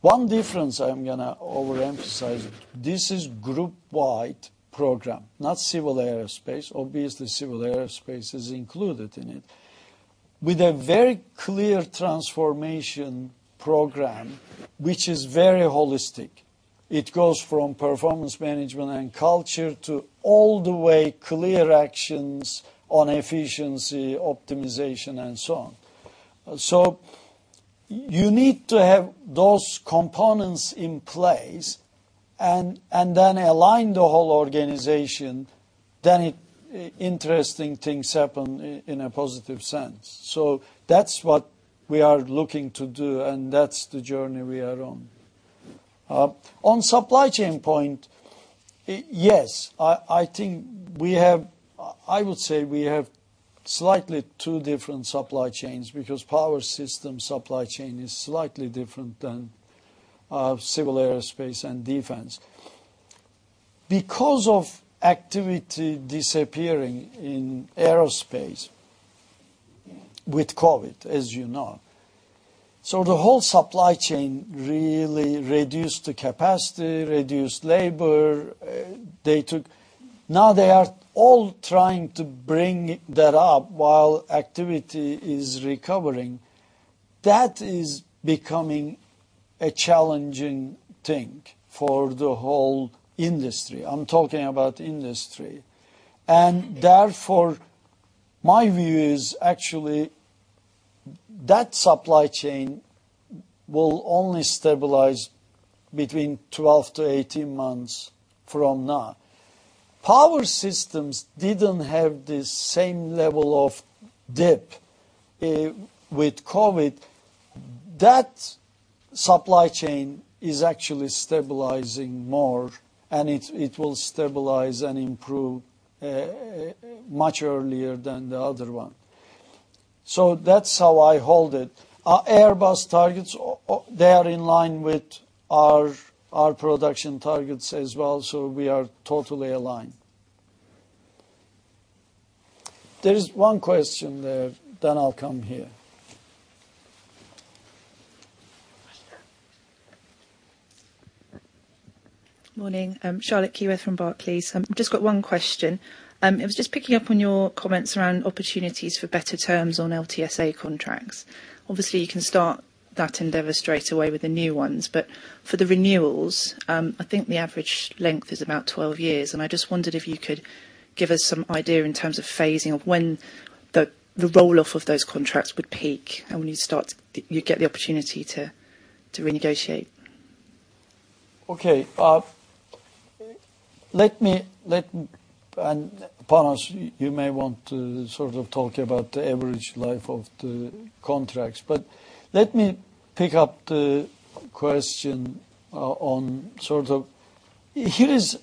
One difference I'm going to overemphasize, this is a group-wide program, not civil aerospace. Obviously, civil aerospace is included in it with a very clear transformation program, which is very holistic. It goes from performance management and culture to all the way clear actions on efficiency, optimization, and so on. You need to have those components in place and then align the whole organization. Interesting things happen in a positive sense. That's what we are looking to do. That's the journey we are on. On supply chain point, yes. I think we have I would say we have slightly two different supply chains because the Power System supply chain is slightly different than civil aerospace and Defence because of activity disappearing in aerospace with COVID, as you know. The whole supply chain really reduced the capacity, reduced labor. Now, they are all trying to bring that up while activity is recovering. That is becoming a challenging thing for the whole industry. I'm talking about industry. Therefore, my view is actually that supply chain will only stabilize between 12-18 months from now. Power systems didn't have the same level of dip with COVID. That supply chain is actually stabilizing more. It will stabilize and improve much earlier than the other one. That's how I hold it. Airbus targets, they are in line with our production targets as well. We are totally aligned. There is one question there. I'll come here. Good morning. Charlotte Keyworth from Barclays. I've just got one question. It was just picking up on your comments around opportunities for better terms on LTSA contracts. Obviously, you can start that endeavor straight away with the new ones. For the renewals, I think the average length is about 12 years. I just wondered if you could give us some idea in terms of phasing of when the roll-off of those contracts would peak and when you get the opportunity to renegotiate. Okay. Panos, you may want to sort of talk about the average life of the contracts. Let me pick up the question on sort of here is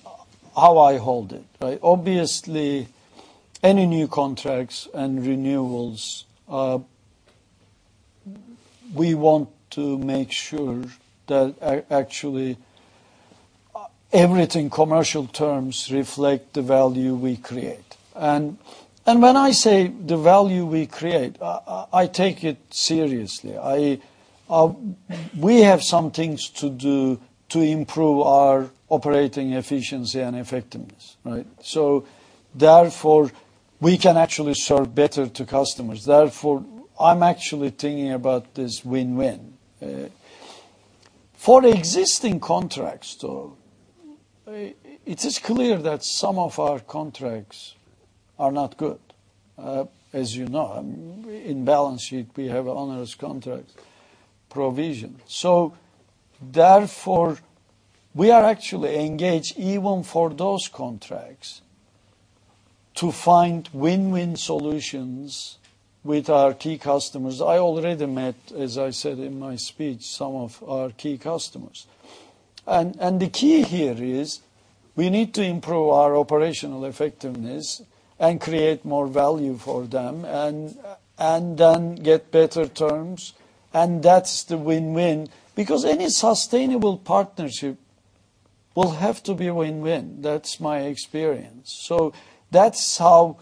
how I hold it, right? Obviously, any new contracts and renewals, we want to make sure that actually everything in commercial terms reflects the value we create. When I say the value we create, I take it seriously. We have some things to do to improve our operating efficiency and effectiveness, right? Therefore, we can actually serve better to customers. Therefore, I'm actually thinking about this win-win. For existing contracts, though, it is clear that some of our contracts are not good, as you know. In the balance sheet, we have an onerous contract provision. Therefore, we are actually engaged even for those contracts to find win-win solutions with our key customers. I already met, as I said in my speech, some of our key customers. The key here is we need to improve our operational effectiveness and create more value for them and then get better terms. That's the win-win because any sustainable partnership will have to be a win-win. That's my experience. That's how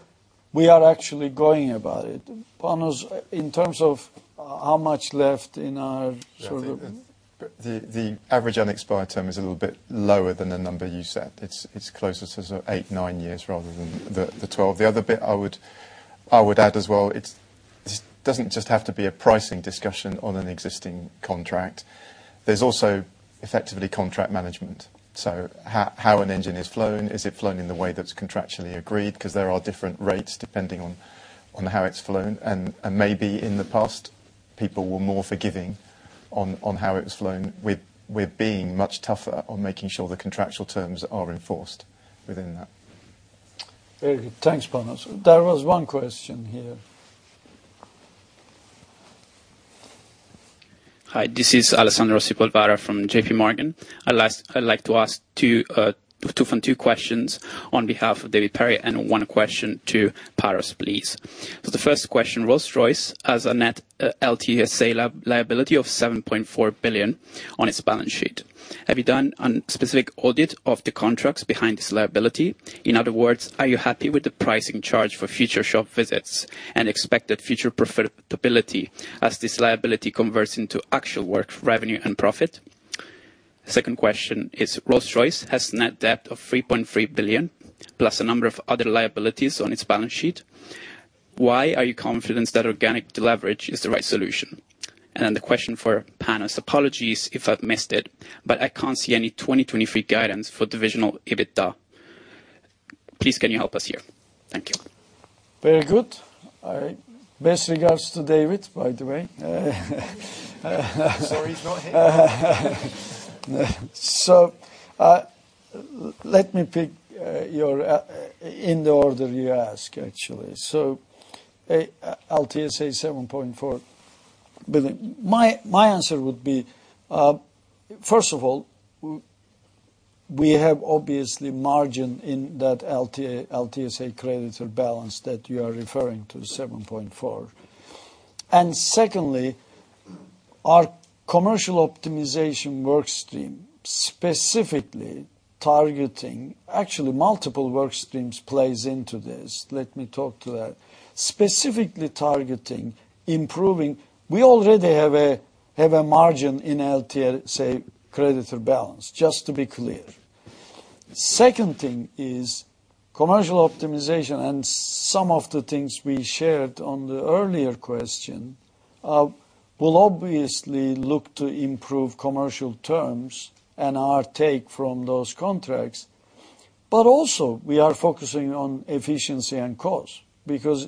we are actually going about it, Panos, in terms of how much left in our sort of. The average unexpired term is a little bit lower than the number you set. It's closer to sort of 8, 9 years rather than the 12. The other bit I would add as well, it doesn't just have to be a pricing discussion on an existing contract. There's also effectively contract management. How an engine is flown, is it flown in the way that's contractually agreed? Because there are different rates depending on how it's flown. Maybe in the past, people were more forgiving on how it was flown with being much tougher on making sure the contractual terms are enforced within that. Very good. Thanks, Panos. There was one question here. Hi. This is Alexander Ossipov-Grodier from J.P. Morgan. I'd like to ask Tufan two questions on behalf of David Perry and one question to Panos, please. The first question, Rolls-Royce has a net LTSA liability of 7.4 billion on its balance sheet. Have you done a specific audit of the contracts behind this liability? In other words, are you happy with the pricing charge for future shop visits and expected future profitability as this liability converts into actual work revenue and profit? Second question is, Rolls-Royce has a net debt of 3.3 billion plus a number of other liabilities on its balance sheet. Why are you confident that organic leverage is the right solution? The question for Panos. Apologies if I've missed it, but I can't see any 2023 guidance for divisional EBITDA. Please, can you help us here? Thank you. Very good. Best regards to David, by the way. Let me pick your in the order you ask, actually. LTSA 7.4 billion. My answer would be, first of all, we have obviously margin in that LTSA creditor balance that you are referring to, 7.4 billion. Secondly, our commercial optimization workstream, specifically targeting actually, multiple workstreams play into this. Let me talk to that. Specifically targeting improving we already have a margin in LTSA creditor balance, just to be clear. Second thing is commercial optimization and some of the things we shared on the earlier question will obviously look to improve commercial terms and our take from those contracts. Also, we are focusing on efficiency and cost because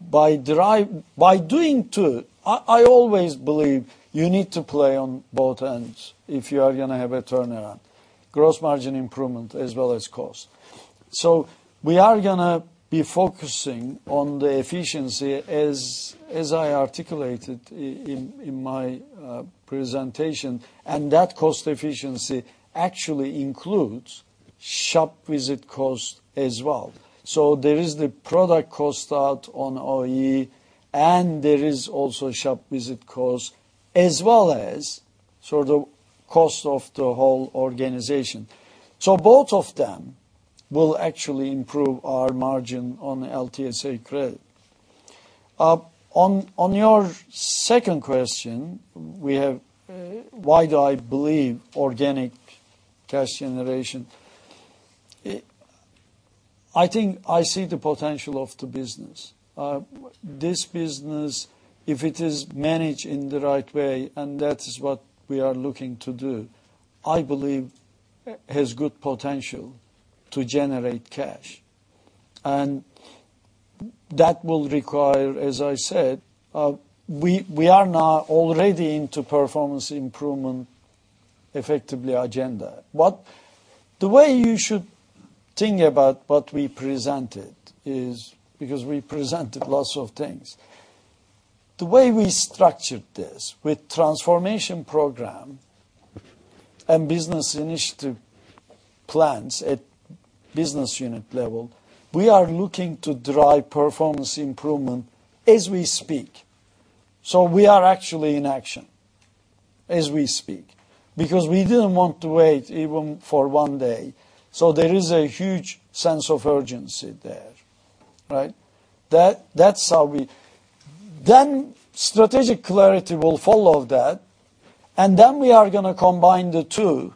by doing two I always believe you need to play on both ends if you are going to have a turnaround, gross margin improvement as well as cost. We are going to be focusing on the efficiency, as I articulated in my presentation. That cost efficiency actually includes shop visit cost as well. There is the product cost out on OEE. There is also shop visit cost as well as sort of cost of the whole organization. Both of them will actually improve our margin on LTSA credit. On your second question, we have why do I believe organic cash generation? I think I see the potential of the business. This business, if it is managed in the right way and that is what we are looking to do, I believe has good potential to generate cash. That will require, as I said, we are now already into performance improvement effectively agenda. The way you should think about what we presented is because we presented lots of things. The way we structured this with transformation program and business initiative plans at business unit level, we are looking to drive performance improvement as we speak. We are actually in action as we speak because we didn't want to wait even for one day. There is a huge sense of urgency there, right? Strategic clarity will follow that. We are going to combine the two.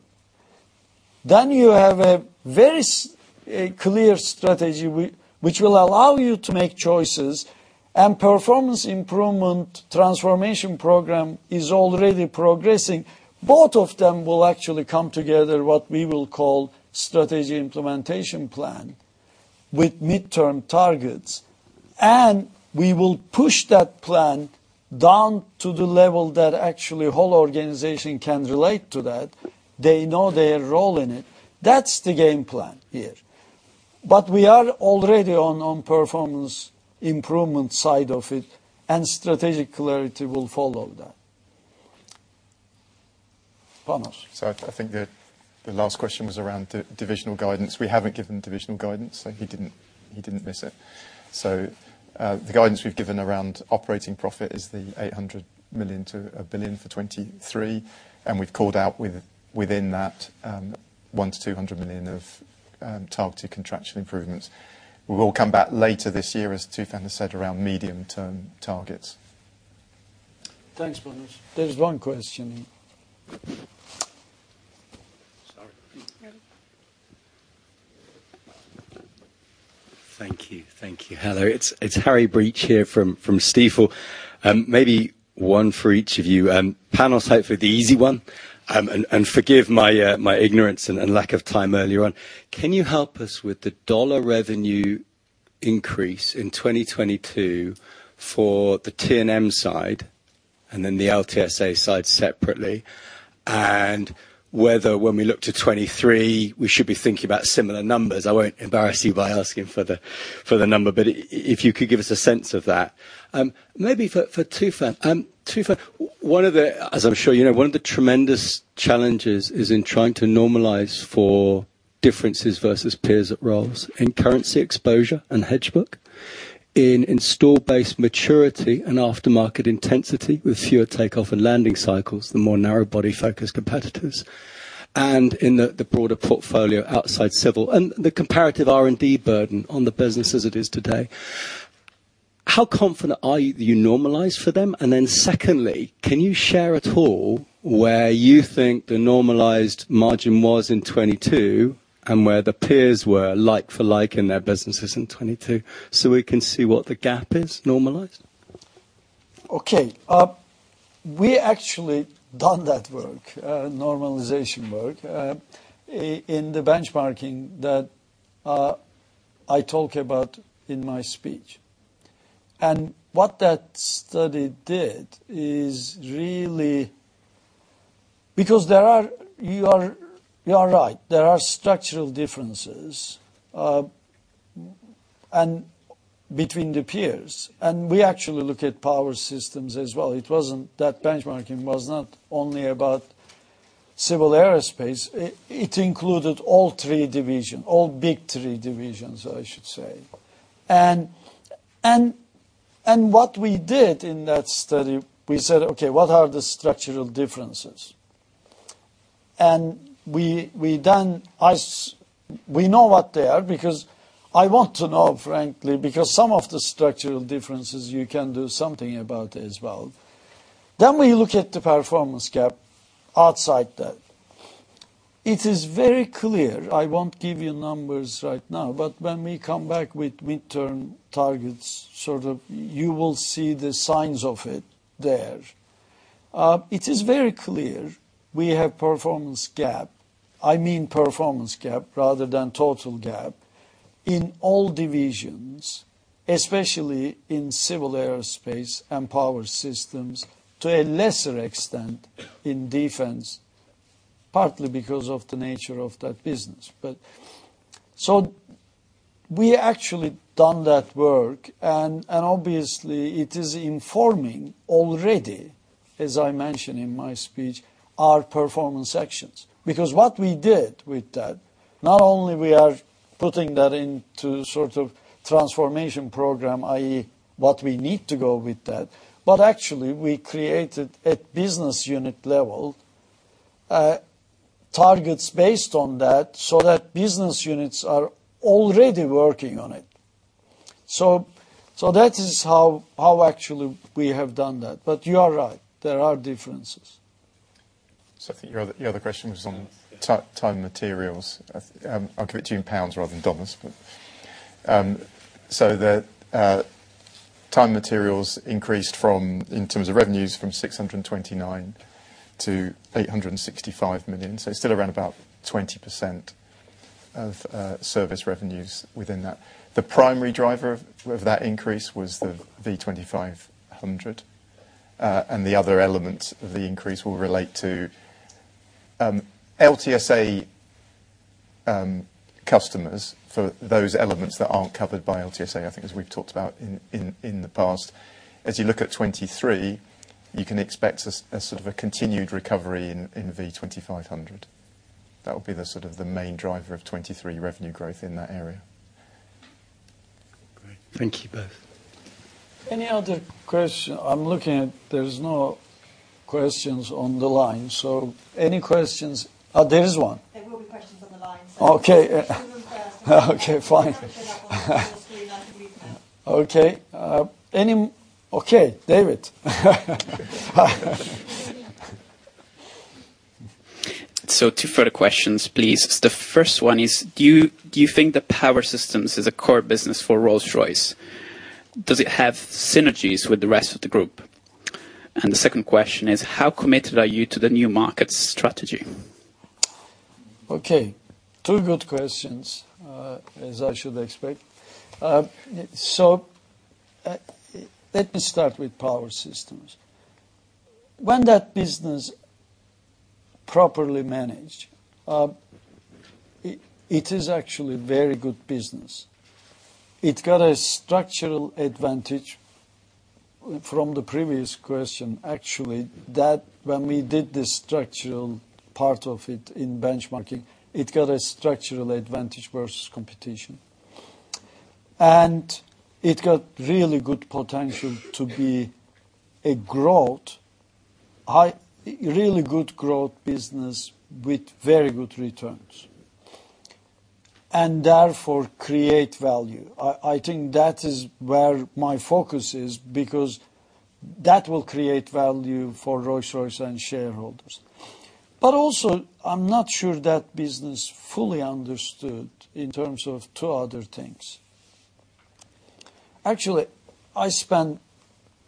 You have a very clear strategy, which will allow you to make choices. Performance improvement transformation program is already progressing. Both of them will actually come together, what we will call a strategy implementation plan with mid-term targets. We will push that plan down to the level that actually the whole organization can relate to that. They know their role in it. That's the game plan here. We are already on the performance improvement side of it. Strategic clarity will follow that, Panos. I think the last question was around divisional guidance. We haven't given divisional guidance, so he didn't miss it. The guidance we've given around operating profit is the 800 million to 1 billion for 2023. We've called out within that 100 - 200 million of targeted contractual improvements. We will come back later this year, as Tufan has said, around medium-term targets. Thanks, Panos. There's one question. Thank you. Thank you. Hello. It's Harry Breach here from Stifel. Maybe one for each of you. Panos, hopefully, the easy one. Forgive my ignorance and lack of time earlier on. Can you help us with the dollar revenue increase in 2022 for the T&M side and then the LTSA side separately? Whether, when we look to 2023, we should be thinking about similar numbers. I won't embarrass you by asking for the number. If you could give us a sense of that. Maybe for Tufan. Tufan, as I'm sure you know, one of the tremendous challenges is in trying to normalize for differences versus peers at Rolls in currency exposure and hedge book in store-based maturity and aftermarket intensity with fewer takeoff and landing cycles, the more narrow-body focused competitors, and in the broader portfolio outside civil and the comparative R&D burden on the business as it is today. How confident are you that you normalize for them? Then, secondly, can you share at all where you think the normalized margin was in 2022 and where the peers were like for like in their businesses in 2022 so we can see what the gap is normalized? Okay. We actually done that work, normalization work, in the benchmarking that I talk about in my speech. What that study did is really because you are right. There are structural differences between the peers. We actually look at Power Systems as well. That benchmarking was not only about civil aerospace. It included all three divisions, all big three divisions, I should say. What we did in that study, we said, "Okay. What are the structural differences?" We know what they are because I want to know, frankly, because some of the structural differences, you can do something about as well. We look at the performance gap outside that. It is very clear. I won't give you numbers right now. When we come back with mid-term targets, sort of you will see the signs of it there. It is very clear we have a performance gap. I mean performance gap rather than total gap in all divisions, especially in civil aerospace and Power Systems, to a lesser extent in Defence, partly because of the nature of that business. We actually done that work. Obviously, it is informing already, as I mentioned in my speech, our performance actions. What we did with that, not only are we putting that into sort of transformation program, i.e., what we need to go with that, but actually, we created at business unit level targets based on that so that business units are already working on it. That is how actually we have done that. You are right. There are differences. I think the other question was on time materials. I'll give it to you in pounds rather than dollars. The time materials increased in terms of revenues from 629 million to 865 million. It's still around about 20% of service revenues within that. The primary driver of that increase was the V2500. The other elements of the increase will relate to LTSA customers for those elements that aren't covered by LTSA, I think, as we've talked about in the past. As you look at 2023, you can expect sort of a continued recovery in V2500. That will be sort of the main driver of 2023 revenue growth in that area. Great. Thank you both. Any other question? I'm looking at there's no questions on the line. Any questions? There is one. There will be questions on the line. Okay. Tufan first. Okay. Fine. I can put it up on the screen. I think we've heard. Okay. Okay. David. Two further questions, please. The first one is, do you think the Power Systems is a core business for Rolls-Royce? Does it have synergies with the rest of the group? The second question is, how committed are you to the new markets strategy? Okay. Two good questions, as I should expect. Let me start with Power Systems. When that business is properly managed, it is actually a very good business. It got a structural advantage from the previous question, actually, that when we did the structural part of it in benchmarking, it got a structural advantage versus competition. It got really good potential to be a growth, really good growth business with very good returns and therefore create value. I think that is where my focus is because that will create value for Rolls-Royce and shareholders. Also, I'm not sure that business fully understood in terms of two other things. Actually, I spent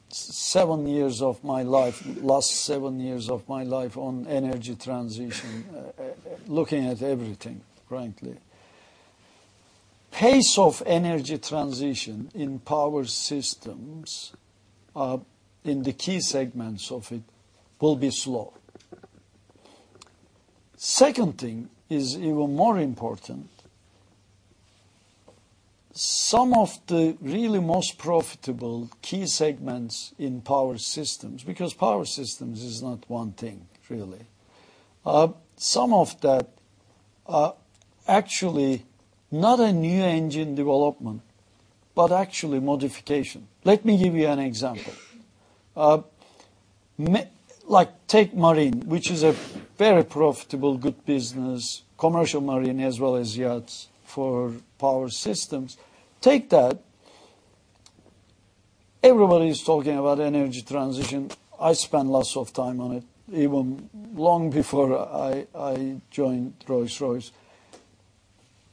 seven years of my life, last seven years of my life, on energy transition, looking at everything, frankly. Pace of energy transition in Power Systems, in the key segments of it, will be slow. Second thing is even more important, some of the really most profitable key segments in Power Systems because Power Systems is not one thing, really. Some of that, actually, not a new engine development, but actually modification. Let me give you an example. Take marine, which is a very profitable, good business, commercial marine as well as yachts for Power Systems. Take that. Everybody is talking about energy transition. I spent lots of time on it even long before I joined Rolls-Royce.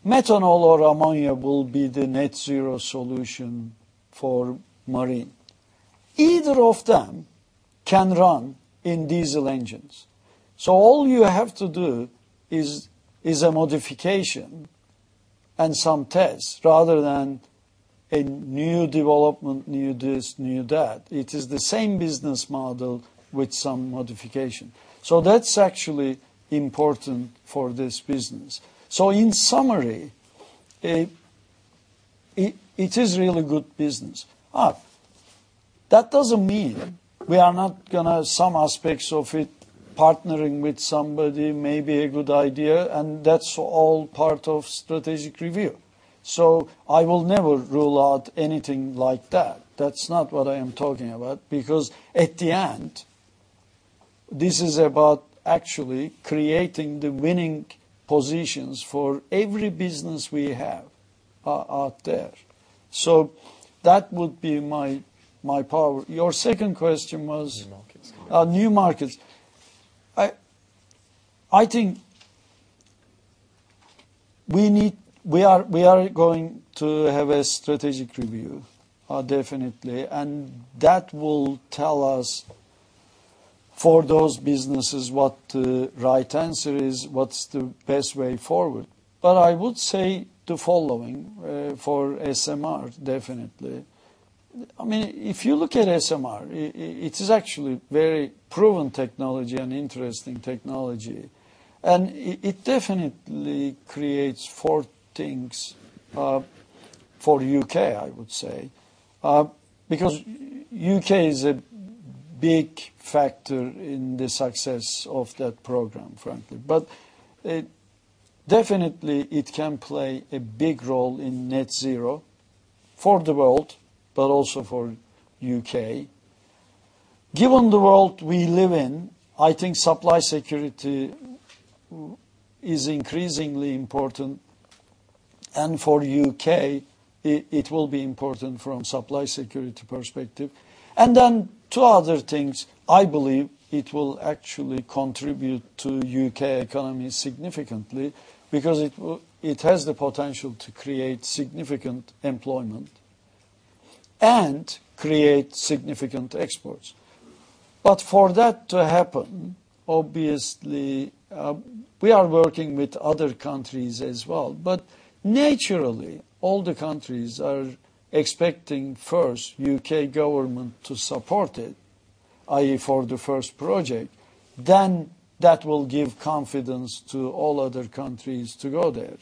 Methanol or ammonia will be the net-zero solution for marine. Either of them can run in diesel engines. All you have to do is a modification and some tests rather than a new development, new this, new that. It is the same business model with some modification. That's actually important for this business. In summary, it is really good business. That doesn't mean we are not going to, some aspects of it, partnering with somebody may be a good idea. That's all part of strategic review. I will never rule out anything like that. That's not what I am talking about. At the end, this is about actually creating the winning positions for every business we have out there. That would be my power. Your second question was new markets. I think we are going to have a strategic review, definitely. That will tell us for those businesses what the right answer is, what's the best way forward. I would say the following for SMR, definitely. I mean, if you look at SMR, it is actually very proven technology and interesting technology. It definitely creates four things for the U.K., I would say, because the U.K. is a big factor in the success of that program, frankly. Definitely, it can play a big role in net-zero for the world, but also for the U.K. Given the world we live in, I think supply security is increasingly important. For the U.K., it will be important from a supply security perspective. Then, two other things. I believe it will actually contribute to the U.K. economy significantly because it has the potential to create significant employment and create significant exports. For that to happen, obviously, we are working with other countries as well. Naturally, all the countries are expecting first the U.K. government to support it, i.e., for the first project. That will give confidence to all other countries to go there.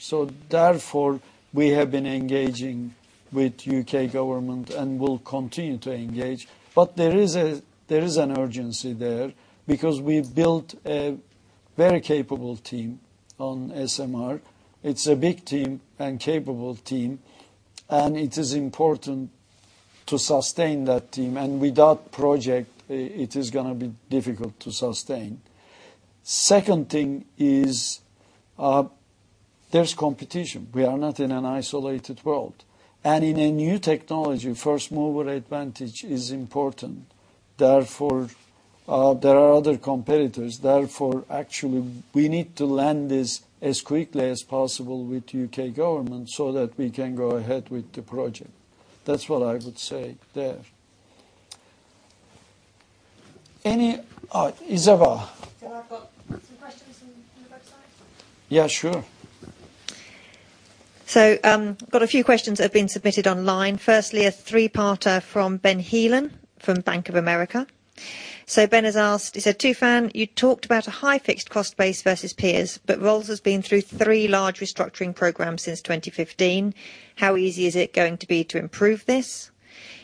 Therefore, we have been engaging with the U.K. government and will continue to engage. There is an urgency there because we built a very capable team on SMR. It's a big team and capable team. It is important to sustain that team. Without the project, it is going to be difficult to sustain. Second thing is there's competition. We are not in an isolated world. In a new technology, first-mover advantage is important. Therefore, there are other competitors. Therefore, actually, we need to land this as quickly as possible with the U.K. government so that we can go ahead with the project. That's what I would say there. Isabelle. Can I have some questions from the website? Yeah. Sure. I've got a few questions that have been submitted online. Firstly, a three-parter from Benjamin Heelan from Bank of America. Ben has asked, he said, "Tufan, you talked about a high fixed cost base versus peers, but Rolls has been through three large restructuring programs since 2015. How easy is it going to be to improve this?"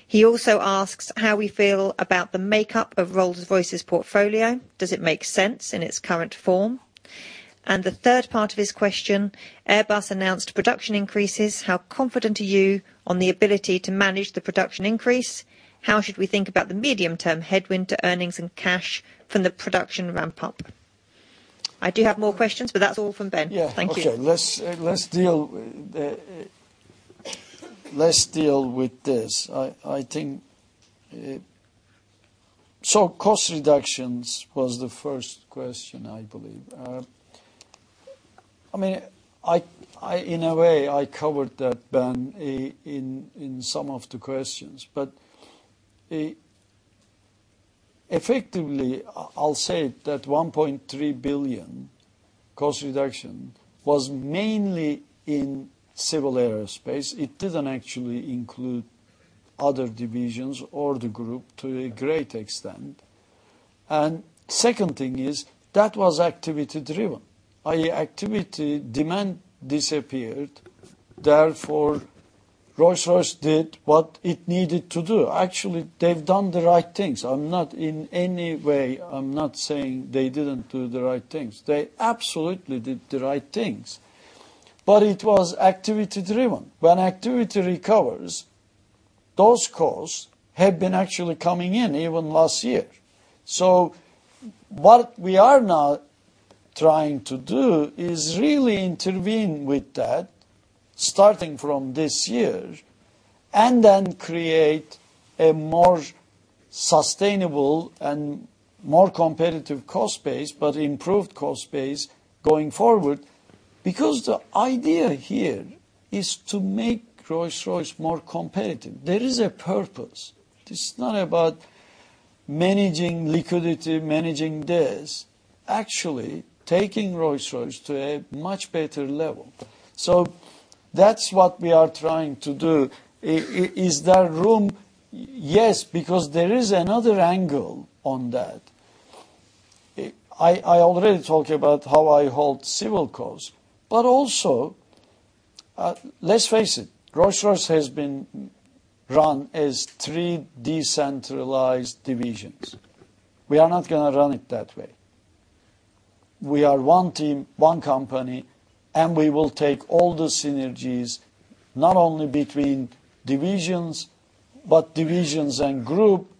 He also asks how we feel about the makeup of Rolls-Royce's portfolio. Does it make sense in its current form? The third part of his question, "Airbus announced production increases. How confident are you on the ability to manage the production increase? How should we think about the medium-term headwind to earnings and cash from the production ramp-up?" I do have more questions, but that's all from Ben. Thank you. Yeah. Okay. Let's deal with this. Cost reductions was the first question, I believe. I mean, in a way, I covered that, Ben, in some of the questions. Effectively, I'll say that 1.3 billion cost reduction was mainly in civil aerospace. It didn't actually include other divisions or the group to a great extent. Second thing is that was activity-driven, i.e., activity demand disappeared. Therefore, Rolls-Royce did what it needed to do. Actually, they've done the right things. In any way, I'm not saying they didn't do the right things. They absolutely did the right things. It was activity-driven. When activity recovers, those costs have been actually coming in even last year. What we are now trying to do is really intervene with that starting from this year and then create a more sustainable and more competitive cost base but improved cost base going forward because the idea here is to make Rolls-Royce more competitive. There is a purpose. It's not about managing liquidity, managing this. Actually, taking Rolls-Royce to a much better level. That's what we are trying to do. Is there room? Yes, because there is another angle on that. I already talked about how I hold civil costs. Also, let's face it, Rolls-Royce has been run as three decentralized divisions. We are not going to run it that way. We are one team, one company, and we will take all the synergies not only between divisions but divisions and group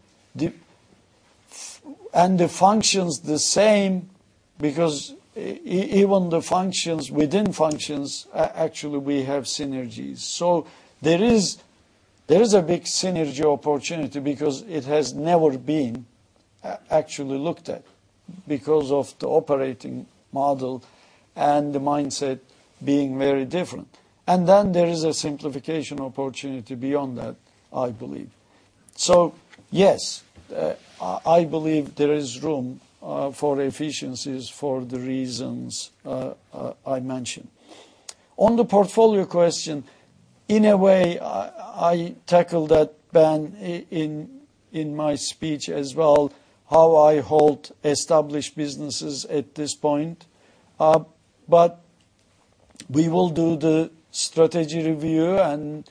and the functions the same because even within functions, actually, we have synergies. There is a big synergy opportunity because it has never been actually looked at because of the operating model and the mindset being very different. There is a simplification opportunity beyond that, I believe. Yes, I believe there is room for efficiencies for the reasons I mentioned. On the portfolio question, in a way, I tackled that, Ben, in my speech as well, how I hold established businesses at this point. We will do the strategy review.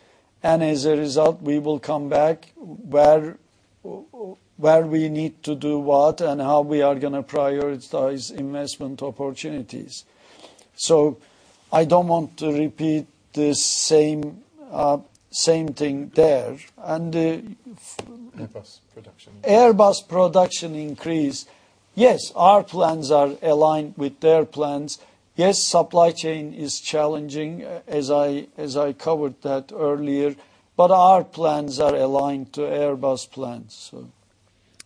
As a result, we will come back where we need to do what and how we are going to prioritize investment opportunities. I don't want to repeat the same thing there. Airbus production. Airbus production increase. Yes, our plans are aligned with their plans. Yes, supply chain is challenging, as I covered that earlier. Our plans are aligned to Airbus plans.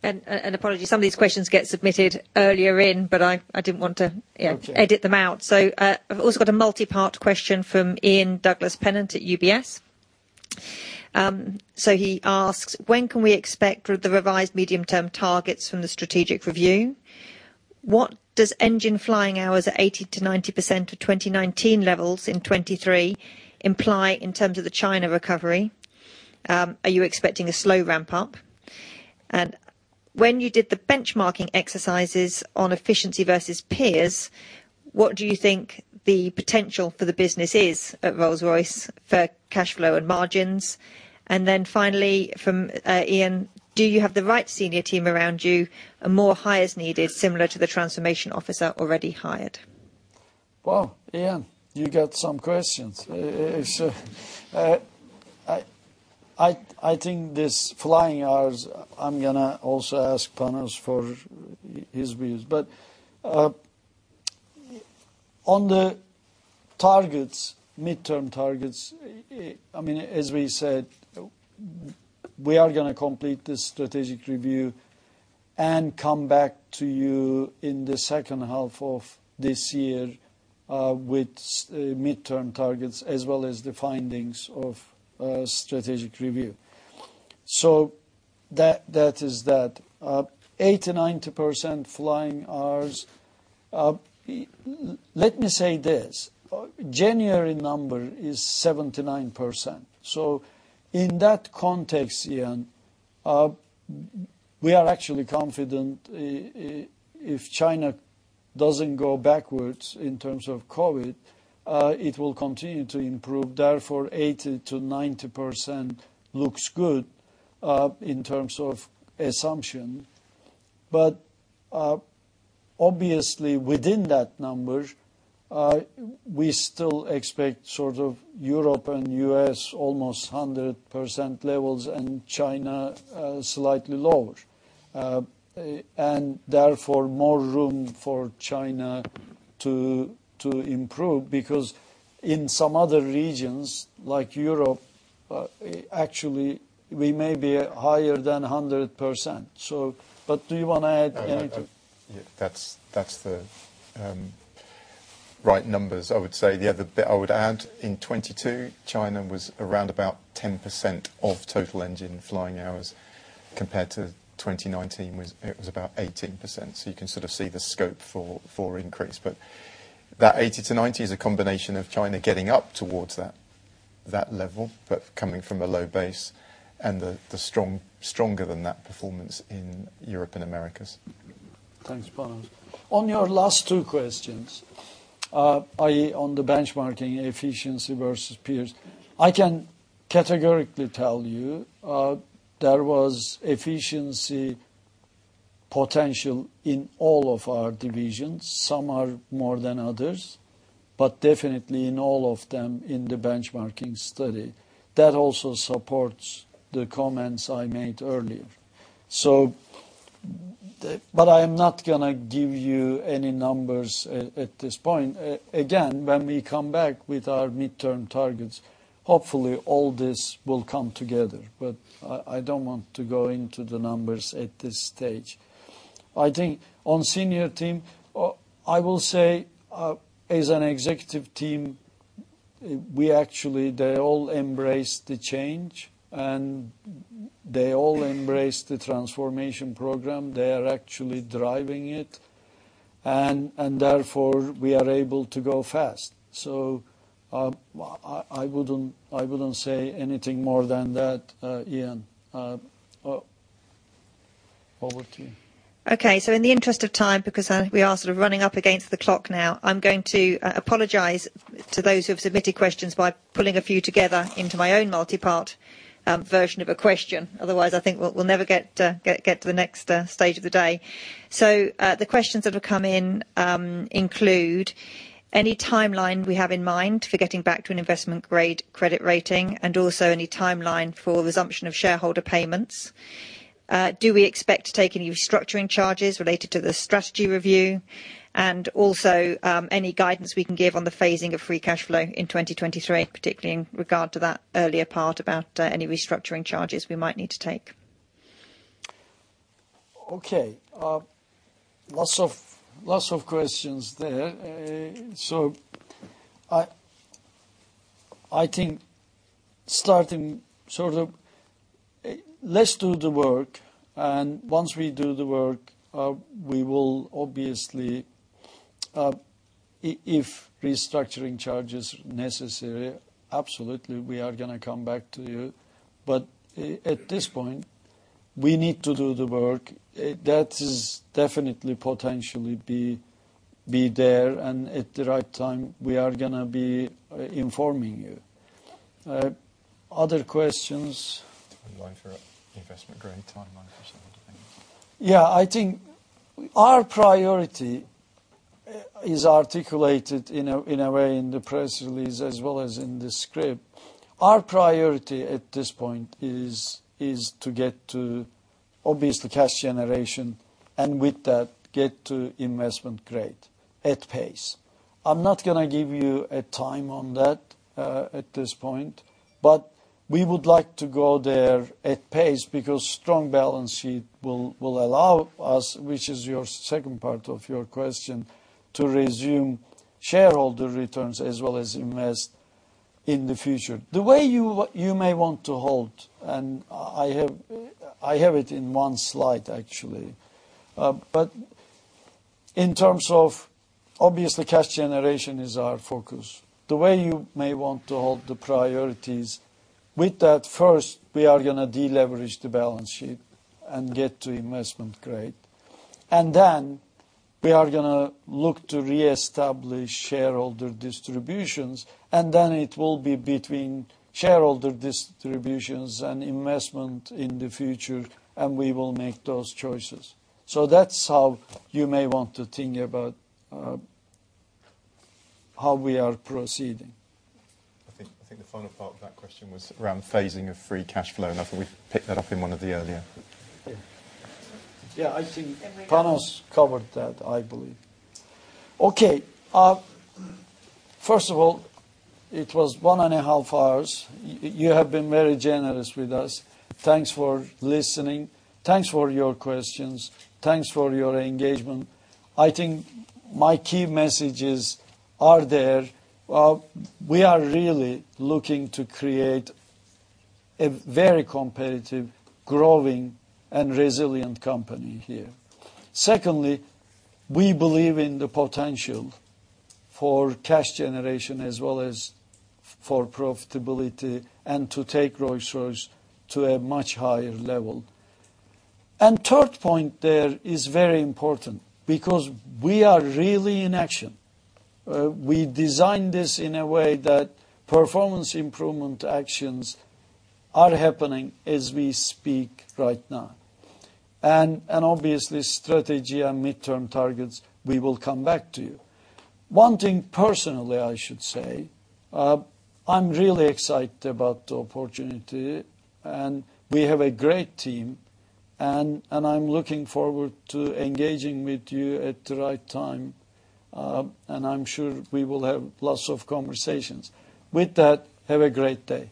Apologies, some of these questions get submitted earlier in, but I didn't want to edit them out. I've also got a multi-part question from Ian Douglas-Pennant at UBS. He asks, "When can we expect the revised medium-term targets from the strategic review? What does engine flying hours at 80%-90% of 2019 levels in 2023 imply in terms of the China recovery? Are you expecting a slow ramp-up? When you did the benchmarking exercises on efficiency versus peers, what do you think the potential for the business is at Rolls-Royce for cash flow and margins?" Finally, from Ian, "Do you have the right senior team around you and more hires needed similar to the transformation officer already hired? Well, Ian, you got some questions. I think this flying hours, I'm going to also ask Panos for his views. On the targets, mid-term targets, I mean, as we said, we are going to complete this strategic review and come back to you in the second half of this year with mid-term targets as well as the findings of strategic review. That is that. 80%-90% flying hours, let me say this. January number is 79%. In that context, Ian, we are actually confident if China doesn't go backwards in terms of COVID, it will continue to improve. Therefore, 80%-90% looks good in terms of assumption. Obviously, within that number, we still expect sort of Europe and U.S. almost 100% levels and China slightly lower. Therefore, more room for China to improve because in some other regions like Europe, actually, we may be higher than 100%. Do you want to add anything? Yeah. That's the right numbers, I would say. Yeah. I would add in 2022, China was around about 10% of total engine flying hours compared to 2019. It was about 18%. You can sort of see the scope for increase. That 80%-90% is a combination of China getting up towards that level but coming from a low base and the stronger than that performance in Europe and Americas. Thanks, Panos. On your last two questions, i.e., on the benchmarking efficiency versus peers, I can categorically tell you there was efficiency potential in all of our divisions. Some are more than others. Definitely, in all of them in the benchmarking study, that also supports the comments I made earlier. I am not going to give you any numbers at this point. Again, when we come back with our mid-term targets, hopefully, all this will come together. I don't want to go into the numbers at this stage. I think on senior team, I will say as an executive team, they all embraced the change. They all embraced the transformation program. They are actually driving it. Therefore, we are able to go fast. I wouldn't say anything more than that, Ian. Over to you. Okay. In the interest of time, because we are sort of running up against the clock now, I'm going to apologize to those who have submitted questions by pulling a few together into my own multi-part version of a question. Otherwise, I think we'll never get to the next stage of the day. The questions that have come in include any timeline we have in mind for getting back to an investment-grade credit rating and also any timeline for resumption of shareholder payments? Do we expect to take any restructuring charges related to the strategy review? Also, any guidance we can give on the phasing of free cash flow in 2023, particularly in regard to that earlier part about any restructuring charges we might need to take? Okay. Lots of questions there. I think starting sort of let's do the work. Once we do the work, we will obviously, if restructuring charges are necessary, absolutely, we are going to come back to you. At this point, we need to do the work. That is definitely potentially be there. At the right time, we are going to be informing you. Other questions? Time line for investment-grade time line for some other things. Yeah. I think our priority is articulated in a way in the press release as well as in the script. Our priority at this point is to get to obviously, cash generation. With that, get to investment-grade at pace. I'm not going to give you a time on that at this point. We would like to go there at pace because strong balance sheet will allow us, which is your second part of your question, to resume shareholder returns as well as invest in the future. The way you may want to hold, and I have it in 1 slide, actually. In terms of obviously, cash generation is our focus. The way you may want to hold the priorities, with that first, we are going to deleverage the balance sheet and get to investment-grade. Then, we are going to look to reestablish shareholder distributions. It will be between shareholder distributions and investment in the future. We will make those choices. That's how you may want to think about how we are proceeding. I think the final part of that question was around phasing of free cash flow. I think we've picked that up in one of the earlier. Yeah. I think Panos covered that, I believe. Okay. First of all, it was one and a half hours. You have been very generous with us. Thanks for listening. Thanks for your questions. Thanks for your engagement. I think my key messages are there. We are really looking to create a very competitive, growing, and resilient company here. Secondly, we believe in the potential for cash generation as well as for profitability and to take Rolls-Royce to a much higher level. Third point there is very important because we are really in action. We designed this in a way that performance improvement actions are happening as we speak right now. Obviously, strategy and mid-term targets, we will come back to you. One thing personally, I should say, I'm really excited about the opportunity. We have a great team. I'm looking forward to engaging with you at the right time. I'm sure we will have lots of conversations. With that, have a great day.